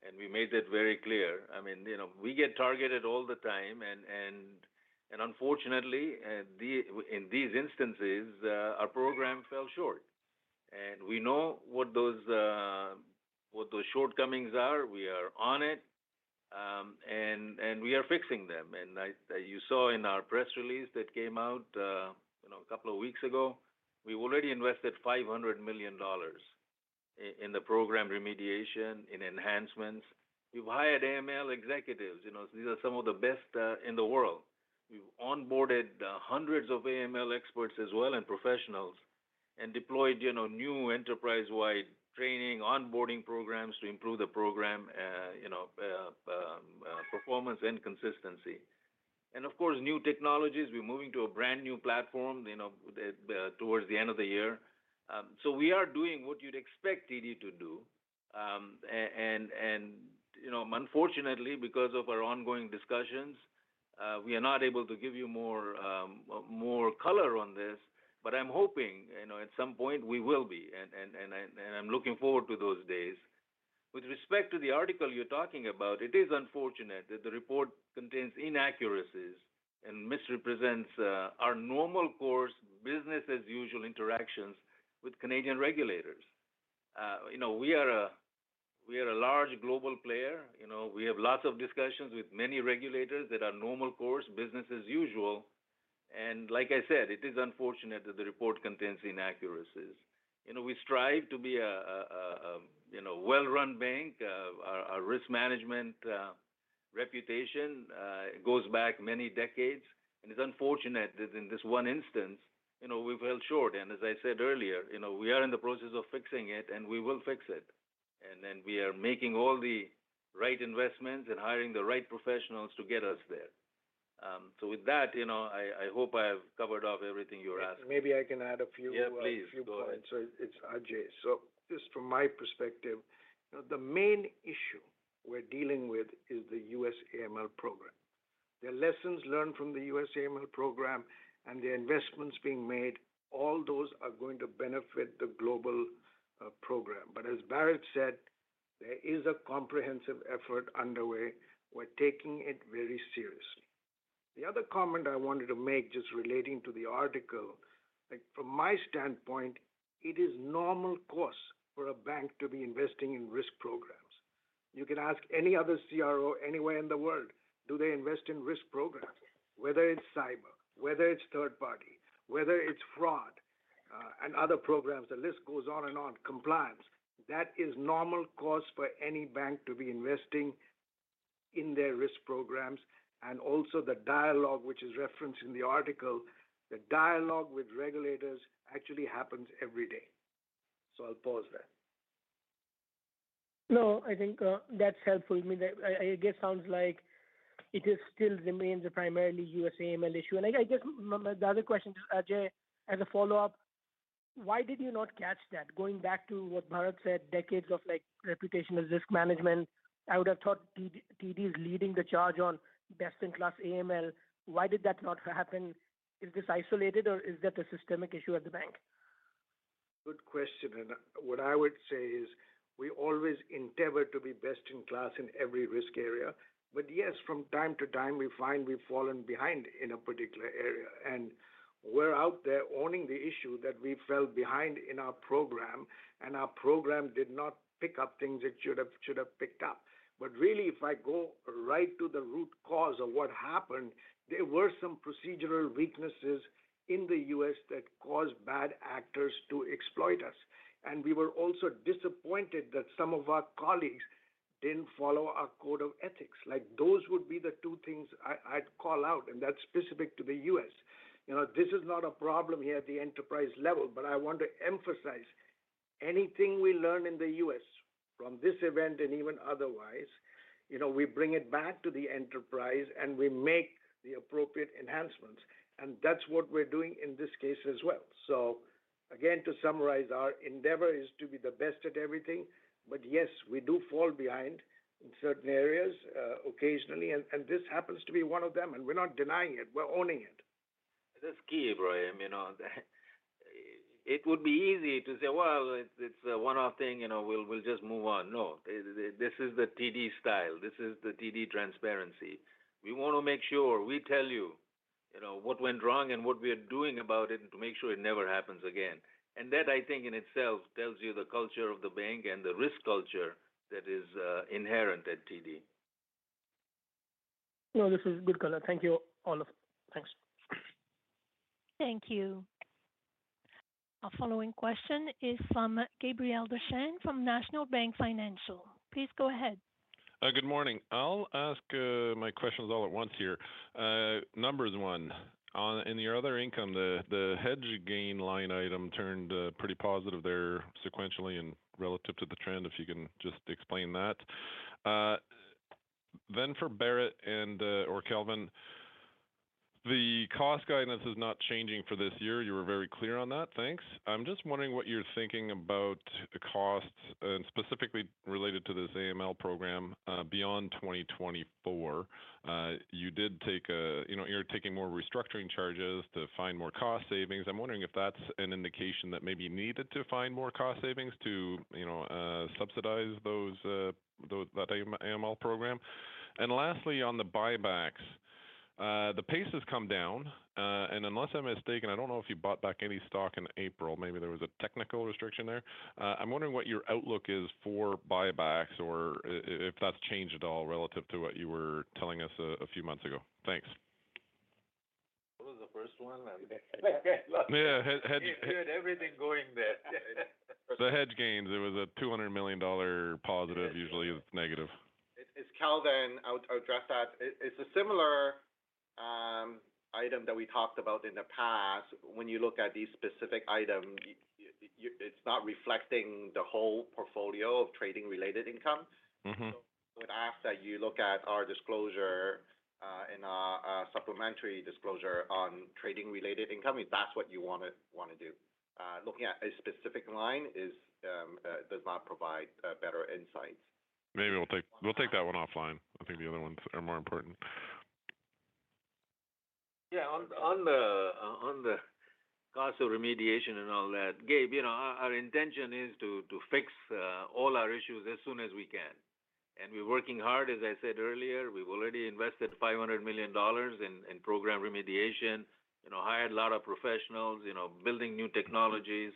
and we made that very clear. I mean, you know, we get targeted all the time and unfortunately, in these instances, our program fell short. We know what those shortcomings are. We are on it, and we are fixing them. And you saw in our press release that came out, you know, a couple of weeks ago, we've already invested 500 million dollars in the program remediation, in enhancements. We've hired AML executives. You know, these are some of the best in the world. We've onboarded hundreds of AML experts as well, and professionals, and deployed, you know, new enterprise-wide training, onboarding programs to improve the program, you know, performance and consistency. And of course, new technologies, we're moving to a brand-new platform, you know, towards the end of the year. So we are doing what you'd expect TD to do. You know, unfortunately, because of our ongoing discussions, we are not able to give you more color on this, but I'm hoping, you know, at some point we will be, and I'm looking forward to those days. With respect to the article you're talking about, it is unfortunate that the report contains inaccuracies and misrepresents our normal course, business-as-usual interactions with Canadian regulators. You know, we are a large global player. You know, we have lots of discussions with many regulators that are normal course, business as usual. And like I said, it is unfortunate that the report contains inaccuracies. You know, we strive to be a well-run bank. Our risk management reputation goes back many decades, and it's unfortunate that in this one instance, you know, we fell short. And as I said earlier, you know, we are in the process of fixing it, and we will fix it. And then we are making all the right investments and hiring the right professionals to get us there. So with that, you know, I hope I have covered off everything you asked. Maybe I can add a few, Yeah, please. Go ahead. A few points. So it's Ajai. So just from my perspective, you know, the main issue we're dealing with is the U.S. AML program. The lessons learned from the U.S. AML program and the investments being made, all those are going to benefit the global program. But as Bharat said, there is a comprehensive effort underway. We're taking it very seriously. The other comment I wanted to make, just relating to the article, like, from my standpoint, it is normal course for a bank to be investing in risk programs. You can ask any other CRO anywhere in the world, do they invest in risk programs? Whether it's cyber, whether it's third party, whether it's fraud, and other programs, the list goes on and on, compliance. That is normal course for any bank to be investing in their risk programs. And also the dialogue, which is referenced in the article, the dialogue with regulators actually happens every day. So I'll pause there. No, I think that's helpful. I mean, I guess sounds like it is still remains a primarily U.S. AML issue. And I just... The other question, Ajai, as a follow-up, why did you not catch that? Going back to what Bharat said, decades of, like, reputational risk management, I would have thought TD, TD is leading the charge on best-in-class AML. Why did that not happen? Is this isolated, or is that a systemic issue at the bank? Good question, and what I would say is we always endeavor to be best in class in every risk area. But yes, from time to time, we find we've fallen behind in a particular area, and we're out there owning the issue that we fell behind in our program, and our program did not pick up things it should have, should have picked up. But really, if I go right to the root cause of what happened, there were some procedural weaknesses in the U.S. that caused bad actors to exploit us. And we were also disappointed that some of our colleagues didn't follow our code of ethics. Like, those would be the two things I, I'd call out, and that's specific to the U.S. You know, this is not a problem here at the enterprise level, but I want to emphasize.... anything we learn in the U.S. from this event and even otherwise, you know, we bring it back to the enterprise, and we make the appropriate enhancements. And that's what we're doing in this case as well. So again, to summarize, our endeavor is to be the best at everything. But yes, we do fall behind in certain areas, occasionally, and this happens to be one of them, and we're not denying it, we're owning it. That's key, Ebrahim, you know? It would be easy to say, "Well, it's a one-off thing, you know, we'll, we'll just move on." No, this is the TD style. This is the TD transparency. We want to make sure we tell you, you know, what went wrong and what we are doing about it, and to make sure it never happens again. And that, I think, in itself tells you the culture of the bank and the risk culture that is inherent at TD. No, this is good color. Thank you, all of you. Thanks. Thank you. Our following question is from Gabriel Dechaine, from National Bank Financial. Please go ahead. Good morning. I'll ask my questions all at once here. Numbers one, on—in your other income, the hedge gain line item turned pretty positive there sequentially and relative to the trend, if you can just explain that. Then for Bharat and or Kelvin, the cost guidance is not changing for this year. You were very clear on that. Thanks. I'm just wondering what you're thinking about the costs and specifically related to this AML program beyond 2024. You did take a—you know, you're taking more restructuring charges to find more cost savings. I'm wondering if that's an indication that maybe you needed to find more cost savings to, you know, subsidize those, that AML program. Lastly, on the buybacks, the pace has come down, and unless I'm mistaken, I don't know if you bought back any stock in April. Maybe there was a technical restriction there. I'm wondering what your outlook is for buybacks, or if that's changed at all relative to what you were telling us a few months ago. Thanks. What was the first one? Yeah, hedge- We had everything going there. The hedge gains, there was a 200 million dollar positive. Usually, it's negative. It's Kelvin. I'll address that. It's a similar item that we talked about in the past. When you look at these specific item, it's not reflecting the whole portfolio of trading-related income. Mm-hmm. So I would ask that you look at our disclosure in our supplementary disclosure on trading-related income, if that's what you want to do. Looking at a specific line does not provide better insight. Maybe we'll take... We'll take that one offline. I think the other ones are more important. Yeah, on the cost of remediation and all that, Gabe, you know, our intention is to fix all our issues as soon as we can, and we're working hard. As I said earlier, we've already invested 500 million dollars in program remediation, you know, hired a lot of professionals, you know, building new technologies.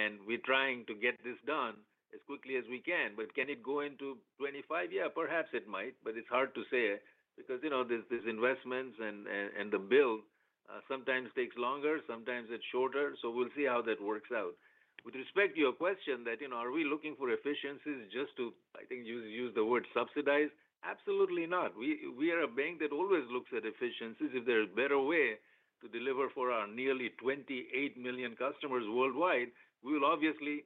And we're trying to get this done as quickly as we can. But can it go into 25? Yeah, perhaps it might, but it's hard to say because, you know, these investments and the build sometimes takes longer, sometimes it's shorter. So we'll see how that works out. With respect to your question that, you know, are we looking for efficiencies just to, I think you used the word subsidize? Absolutely not. We are a bank that always looks at efficiencies. If there's a better way to deliver for our nearly 28 million customers worldwide, we will obviously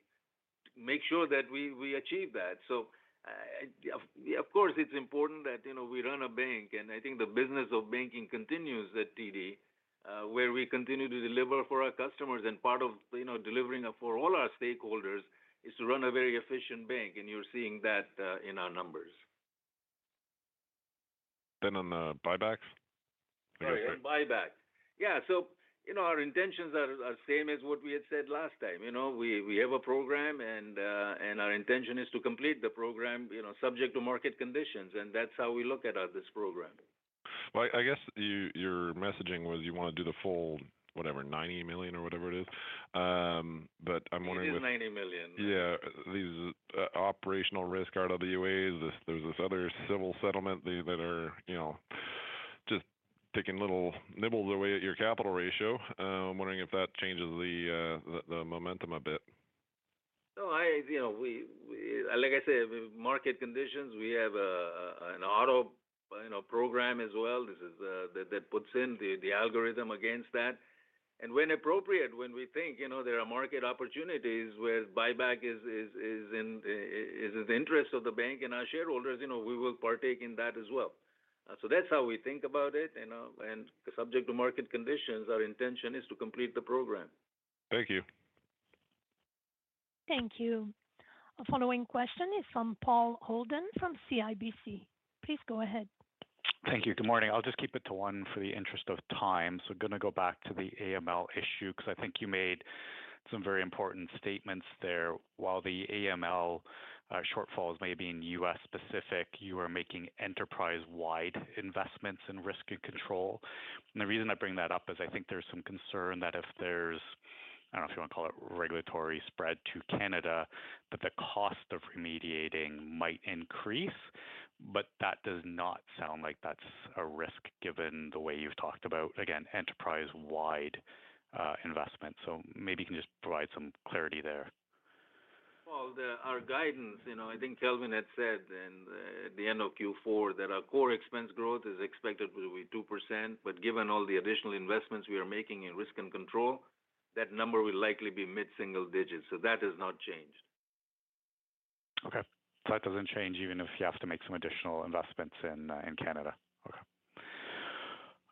make sure that we, we achieve that. So, of course, it's important that, you know, we run a bank, and I think the business of banking continues at TD, where we continue to deliver for our customers. And part of, you know, delivering for all our stakeholders is to run a very efficient bank, and you're seeing that, in our numbers. Then on the buybacks? Sorry, on buybacks. Yeah, so, you know, our intentions are same as what we had said last time. You know, we have a program, and our intention is to complete the program, you know, subject to market conditions, and that's how we look at this program. Well, I guess your messaging was you want to do the full, whatever, 90 million or whatever it is, but I'm wondering- It is 90 million. Yeah. These operational risk RWAs, there's this other civil settlement that are, you know, just taking little nibbles away at your capital ratio. I'm wondering if that changes the momentum a bit. No, you know, like I said, we market conditions, we have an auto, you know, program as well. This is that puts in the algorithm against that. And when appropriate, when we think, you know, there are market opportunities where buyback is in the interest of the bank and our shareholders, you know, we will partake in that as well. So that's how we think about it, you know, and subject to market conditions, our intention is to complete the program. Thank you. Thank you. Our following question is from Paul Holden, from CIBC. Please go ahead. Thank you. Good morning. I'll just keep it to one for the interest of time. So gonna go back to the AML issue, because I think you made some very important statements there. While the AML shortfalls may be in U.S.-specific, you are making enterprise-wide investments in risk and control. And the reason I bring that up is I think there's some concern that if there's, I don't know if you want to call it regulatory spread to Canada, that the cost of remediating might increase. But that does not sound like that's a risk, given the way you've talked about, again, enterprise-wide investment. So maybe you can just provide some clarity there. ... Well, our guidance, you know, I think Kelvin had said at the end of Q4 that our core expense growth is expected to be 2%, but given all the additional investments we are making in risk and control, that number will likely be mid-single digits. So that has not changed. Okay. So that doesn't change even if you have to make some additional investments in, in Canada? Okay.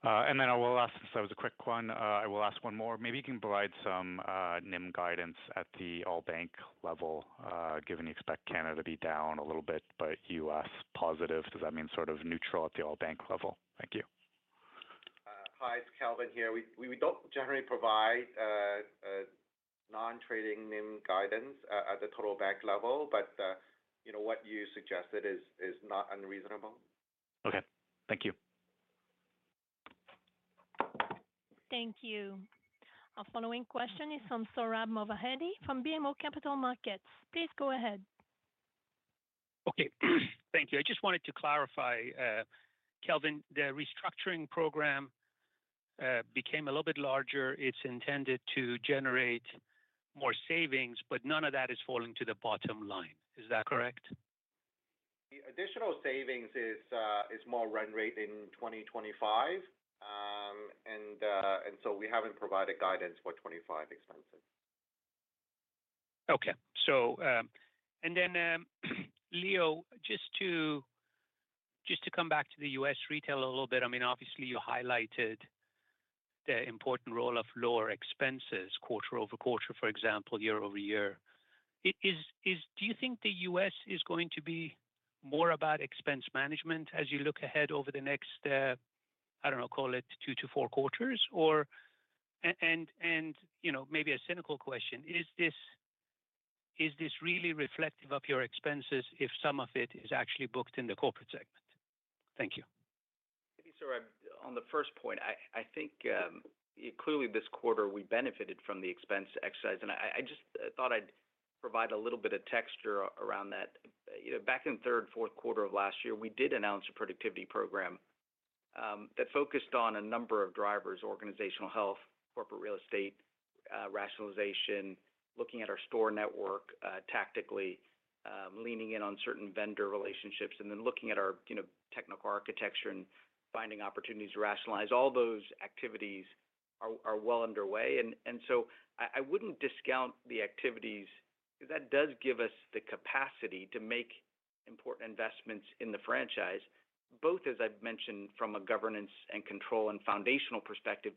And then I will ask, so as a quick one, I will ask one more. Maybe you can provide some, NIM guidance at the all bank level, given you expect Canada to be down a little bit, but U.S. positive, does that mean sort of neutral at the all bank level? Thank you. Hi, it's Kelvin here. We don't generally provide a non-trading NIM guidance at the total bank level, but you know, what you suggested is not unreasonable. Okay. Thank you. Thank you. Our following question is from Sohrab Movahedi from BMO Capital Markets. Please go ahead. Okay. Thank you. I just wanted to clarify, Kelvin, the restructuring program became a little bit larger. It's intended to generate more savings, but none of that is falling to the bottom line. Is that correct? The additional savings is more run rate in 2025. And so we haven't provided guidance for 2025 expenses. Okay. And then, Leo, just to come back to the U.S. retail a little bit, I mean, obviously, you highlighted the important role of lower expenses quarter-over-quarter, for example, year-over-year. Do you think the U.S. is going to be more about expense management as you look ahead over the next, I don't know, call it 2-4 quarters? Or, and, you know, maybe a cynical question: is this really reflective of your expenses if some of it is actually booked in the corporate segment? Thank you. Thank you, Sohrab. On the first point, I think clearly this quarter we benefited from the expense exercise, and I just thought I'd provide a little bit of texture around that. You know, back in third, fourth quarter of last year, we did announce a productivity program that focused on a number of drivers: organizational health, corporate real estate rationalization, looking at our store network tactically, leaning in on certain vendor relationships, and then looking at our, you know, technical architecture and finding opportunities to rationalize. All those activities are well underway. And so I wouldn't discount the activities because that does give us the capacity to make important investments in the franchise, both, as I've mentioned, from a governance and control and foundational perspective,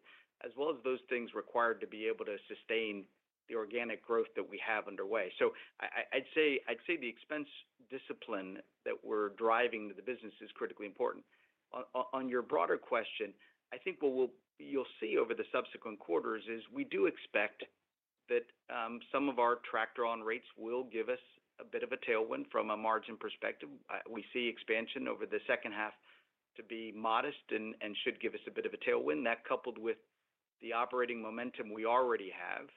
as well as those things required to be able to sustain the organic growth that we have underway. So I'd say the expense discipline that we're driving the business is critically important. On your broader question, I think what you'll see over the subsequent quarters is we do expect that some of our traction on rates will give us a bit of a tailwind from a margin perspective. We see expansion over the second half to be modest and should give us a bit of a tailwind. That, coupled with the operating momentum we already have,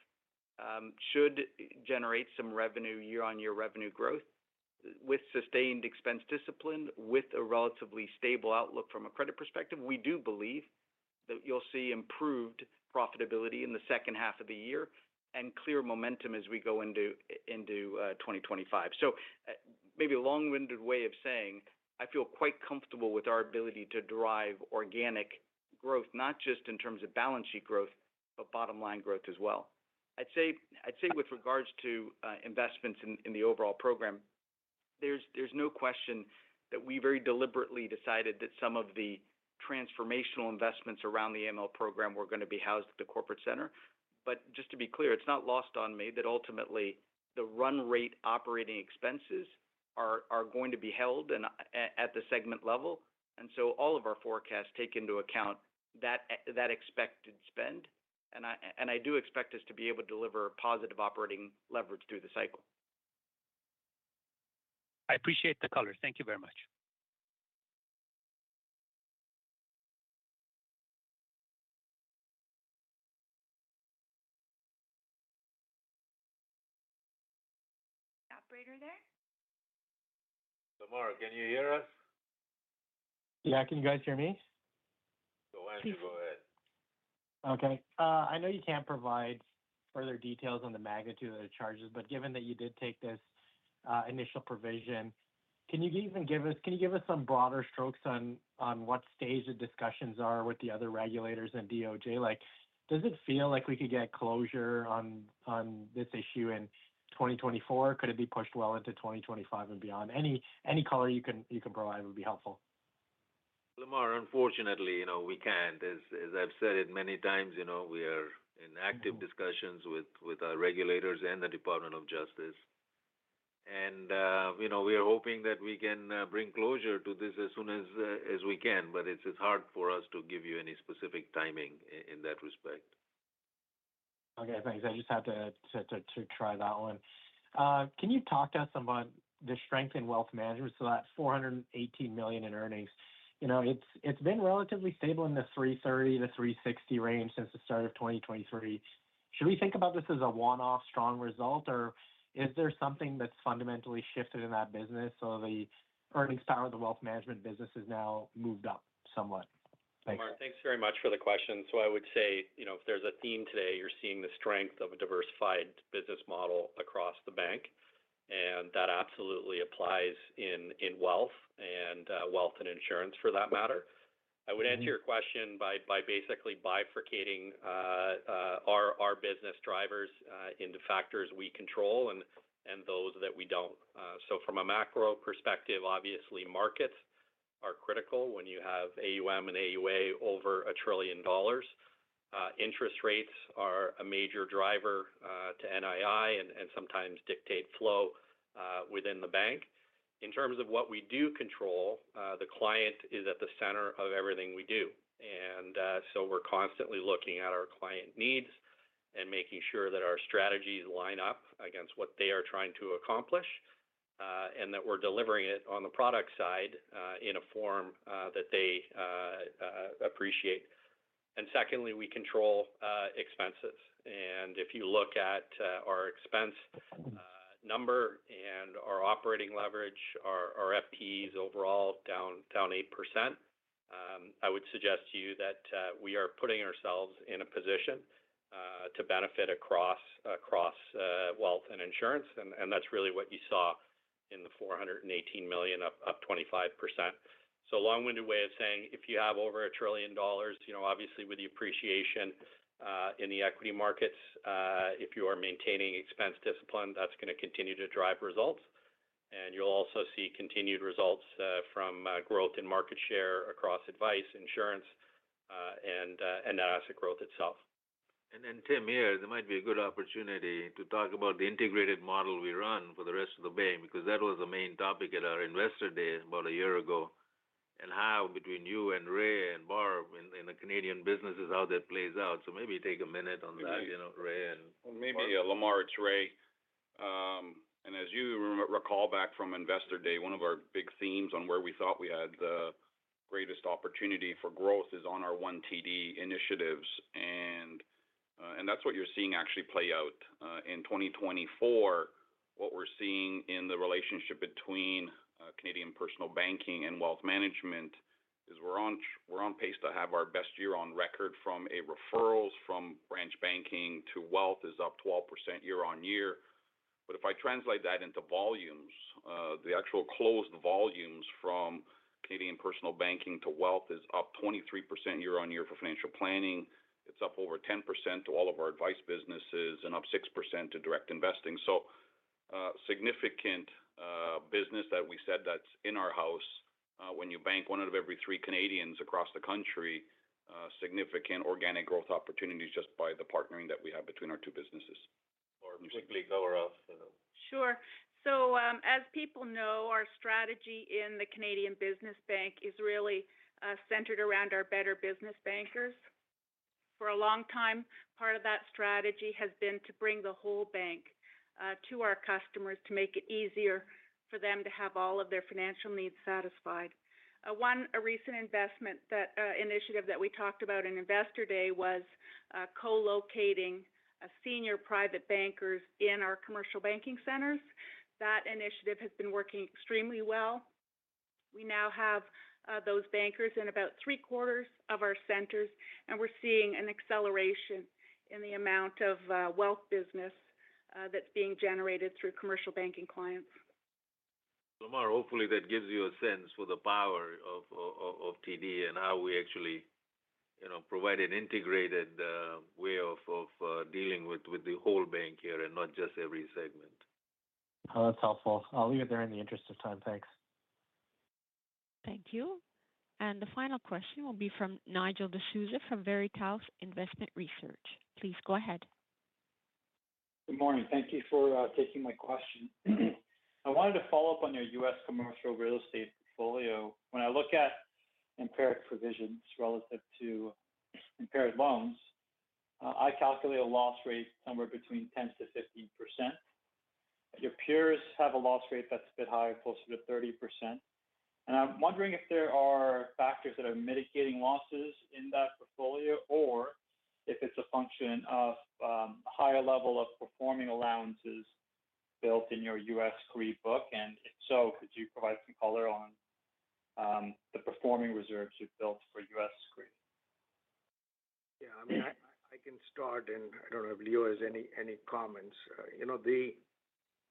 should generate some revenue, year-on-year revenue growth, with sustained expense discipline, with a relatively stable outlook from a credit perspective. We do believe that you'll see improved profitability in the second half of the year and clear momentum as we go into 2025. So, maybe a long-winded way of saying I feel quite comfortable with our ability to derive organic growth, not just in terms of balance sheet growth, but bottom line growth as well. I'd say, I'd say with regards to investments in the overall program, there's no question that we very deliberately decided that some of the transformational investments around the AML program were gonna be housed at the corporate center. But just to be clear, it's not lost on me that ultimately the run rate operating expenses are going to be held and at the segment level. And so all of our forecasts take into account that expected spend, and I do expect us to be able to deliver positive operating leverage through the cycle. I appreciate the color. Thank you very much. Operator there? Lemar, can you hear us? Yeah. Can you guys hear me? So why don't you go ahead? Okay. I know you can't provide further details on the magnitude of the charges, but given that you did take this initial provision, can you give us some broader strokes on what stage the discussions are with the other regulators and DOJ? Like, does it feel like we could get closure on this issue in 2024? Could it be pushed well into 2025 and beyond? Any color you can provide would be helpful. Lemar, unfortunately, you know, we can't. As I've said it many times, you know, we are in active discussions with our regulators and the Department of Justice. And, you know, we are hoping that we can bring closure to this as soon as we can, but it's hard for us to give you any specific timing in that respect. Okay, thanks. I just had to try that one. Can you talk to us about the strength in Wealth Management, so that 418 million in earnings? You know, it's been relatively stable in the 330 million-360 million range since the start of 2023. Should we think about this as a one-off strong result, or is there something that's fundamentally shifted in that business? So the earnings power of the Wealth Management business is now moved up somewhat. ... Lemar, thanks very much for the question. So I would say, you know, if there's a theme today, you're seeing the strength of a diversified business model across the bank, and that absolutely applies in wealth and insurance, for that matter. I would answer your question by basically bifurcating our business drivers into factors we control and those that we don't. So from a macro perspective, obviously, markets are critical when you have AUM and AUA over 1 trillion dollars. Interest rates are a major driver to NII and sometimes dictate flow within the bank. In terms of what we do control, the client is at the center of everything we do. And so we're constantly looking at our client needs and making sure that our strategies line up against what they are trying to accomplish, and that we're delivering it on the product side, in a form that they appreciate. And secondly, we control expenses. And if you look at our expense number and our operating leverage, our FTEs overall down 8%, I would suggest to you that we are putting ourselves in a position to benefit across wealth and insurance. And that's really what you saw in the 418 million up 25%. A long-winded way of saying, if you have over 1 trillion dollars, you know, obviously with the appreciation in the equity markets, if you are maintaining expense discipline, that's gonna continue to drive results. You'll also see continued results from growth in market share across advice, insurance, and asset growth itself. And then, Tim, here, this might be a good opportunity to talk about the integrated model we run for the rest of the bank, because that was the main topic at our Investor Day about a year ago. And how between you and Ray and Barb in the Canadian businesses, how that plays out. So maybe take a minute on that, you know, Ray and- Maybe, Lemar, it's Ray. And as you recall back from Investor Day, one of our big themes on where we thought we had the greatest opportunity for growth is on our One TD initiatives. And that's what you're seeing actually play out. In 2024, what we're seeing in the relationship between Canadian Personal Banking and Wealth Management is we're on pace to have our best year on record from referrals from branch banking to wealth is up 12% year-over-year. But if I translate that into volumes, the actual closed volumes from Canadian Personal Banking to wealth is up 23% year-over-year for financial planning. It's up over 10% to all of our advice businesses, and up 6% to direct investing. So, significant business that we said that's in our house, when you bank one out of every three Canadians across the country, significant organic growth opportunities just by the partnering that we have between our two businesses. Or quickly go around. Sure. So, as people know, our strategy in the Canadian Business Bank is really centered around our better business bankers. For a long time, part of that strategy has been to bring the whole bank to our customers, to make it easier for them to have all of their financial needs satisfied. A recent initiative that we talked about in Investor Day was co-locating senior private bankers in our commercial banking centers. That initiative has been working extremely well. We now have those bankers in about three-quarters of our centers, and we're seeing an acceleration in the amount of wealth business that's being generated through commercial banking clients. Lemar, hopefully that gives you a sense for the power of TD and how we actually, you know, provide an integrated way of dealing with the whole bank here, and not just every segment. Oh, that's helpful. I'll leave it there in the interest of time. Thanks. Thank you. And the final question will be from Nigel D'Souza from Veritas Investment Research. Please go ahead. Good morning. Thank you for taking my question. I wanted to follow up on your U.S. commercial real estate portfolio. When I look at impaired provisions relative to impaired loans, I calculate a loss rate somewhere between 10%-15%. Your peers have a loss rate that's a bit higher, closer to 30%. I'm wondering if there are factors that are mitigating losses in that portfolio, or if it's a function of higher level of performing allowances built in your U.S. CRE book. If so, could you provide some color on the performing reserves you've built for U.S. CRE? Yeah, I mean, I can start, and I don't know if Leo has any comments. You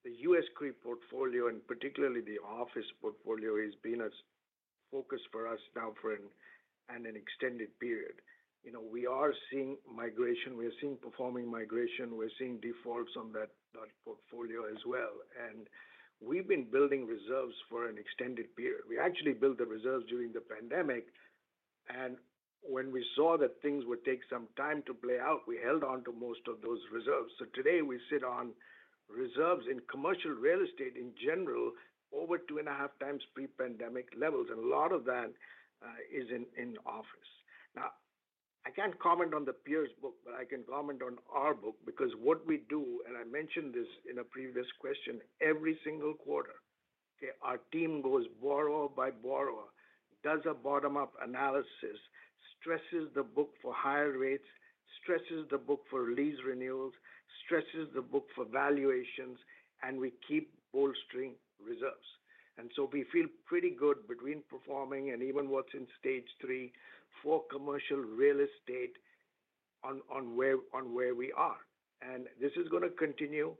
know, the U.S. CRE portfolio, and particularly the office portfolio, has been a focus for us now for an extended period. You know, we are seeing migration, we are seeing performing migration, we're seeing defaults on that portfolio as well. And we've been building reserves for an extended period. We actually built the reserves during the pandemic, and when we saw that things would take some time to play out, we held on to most of those reserves. So today we sit on reserves in commercial real estate in general, over 2.5 times pre-pandemic levels, and a lot of that is in office. Now, I can't comment on the peers book, but I can comment on our book, because what we do, and I mentioned this in a previous question, every single quarter, okay, our team goes borrower by borrower, does a bottom-up analysis, stresses the book for higher rates, stresses the book for lease renewals, stresses the book for valuations, and we keep bolstering reserves. And so we feel pretty good between performing and even what's in stage three for commercial real estate on where we are. And this is gonna continue.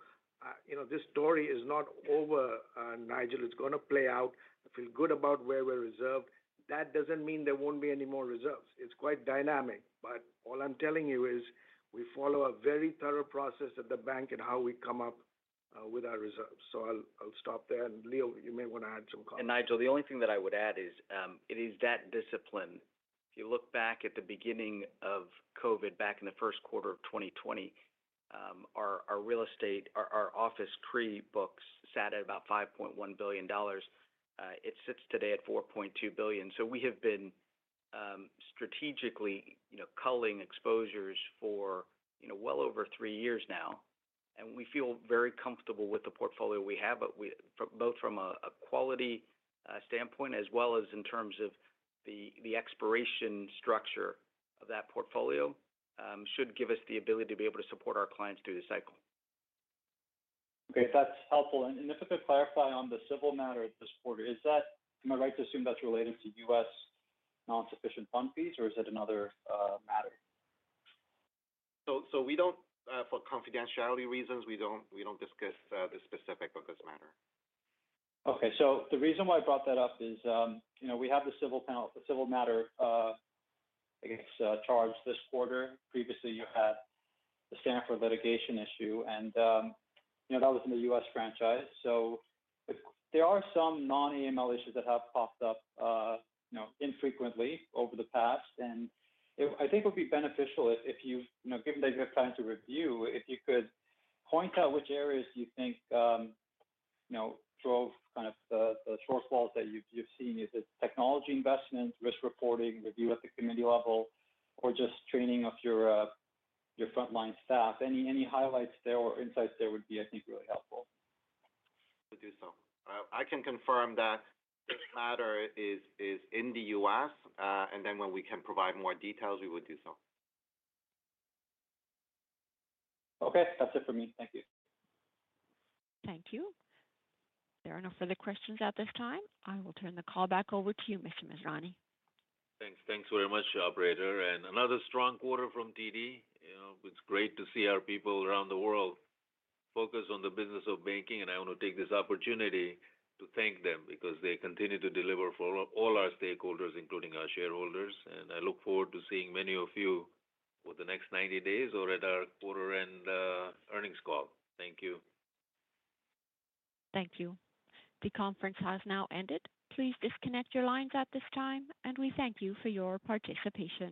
You know, this story is not over, Nigel. It's gonna play out. I feel good about where we're reserved. That doesn't mean there won't be any more reserves. It's quite dynamic. But all I'm telling you is we follow a very thorough process at the bank in how we come up with our reserves. I'll stop there, and Leo, you may want to add some comments. Nigel, the only thing that I would add is, it is that discipline. If you look back at the beginning of COVID, back in the first quarter of 2020, our real estate, our office CRE books sat at about 5.1 billion dollars. It sits today at 4.2 billion. So we have been, strategically, you know, culling exposures for, you know, well over 3 years now, and we feel very comfortable with the portfolio we have. But we both from a quality standpoint, as well as in terms of the expiration structure of that portfolio, should give us the ability to be able to support our clients through the cycle. Okay, that's helpful. And, and if I could clarify on the civil matter this quarter, is that... Am I right to assume that's related to U.S. non-sufficient fund fees, or is it another matter? For confidentiality reasons, we don't discuss the specifics of this matter. Okay. So the reason why I brought that up is, you know, we have the civil panel, the civil matter, I guess, charged this quarter. Previously, you had the Stanford litigation issue, and, you know, that was in the U.S. franchise. So if there are some non-AML issues that have popped up, you know, infrequently over the past, and I think it would be beneficial if, if you, you know, given that you have time to review, if you could point out which areas you think, you know, drove kind of the, the shortfalls that you've, you've seen. Is it technology investment, risk reporting, review at the committee level, or just training of your, your frontline staff? Any, any highlights there or insights there would be, I think, really helpful. We'll do so. I can confirm that this matter is in the U.S., and then when we can provide more details, we would do so. Okay. That's it for me. Thank you. Thank you. There are no further questions at this time. I will turn the call back over to you, Mr. Masrani. Thanks. Thanks very much, operator, and another strong quarter from TD. You know, it's great to see our people around the world focus on the business of banking, and I want to take this opportunity to thank them, because they continue to deliver for all our stakeholders, including our shareholders. And I look forward to seeing many of you over the next 90 days or at our quarter-end earnings call. Thank you. Thank you. The conference has now ended. Please disconnect your lines at this time, and we thank you for your participation.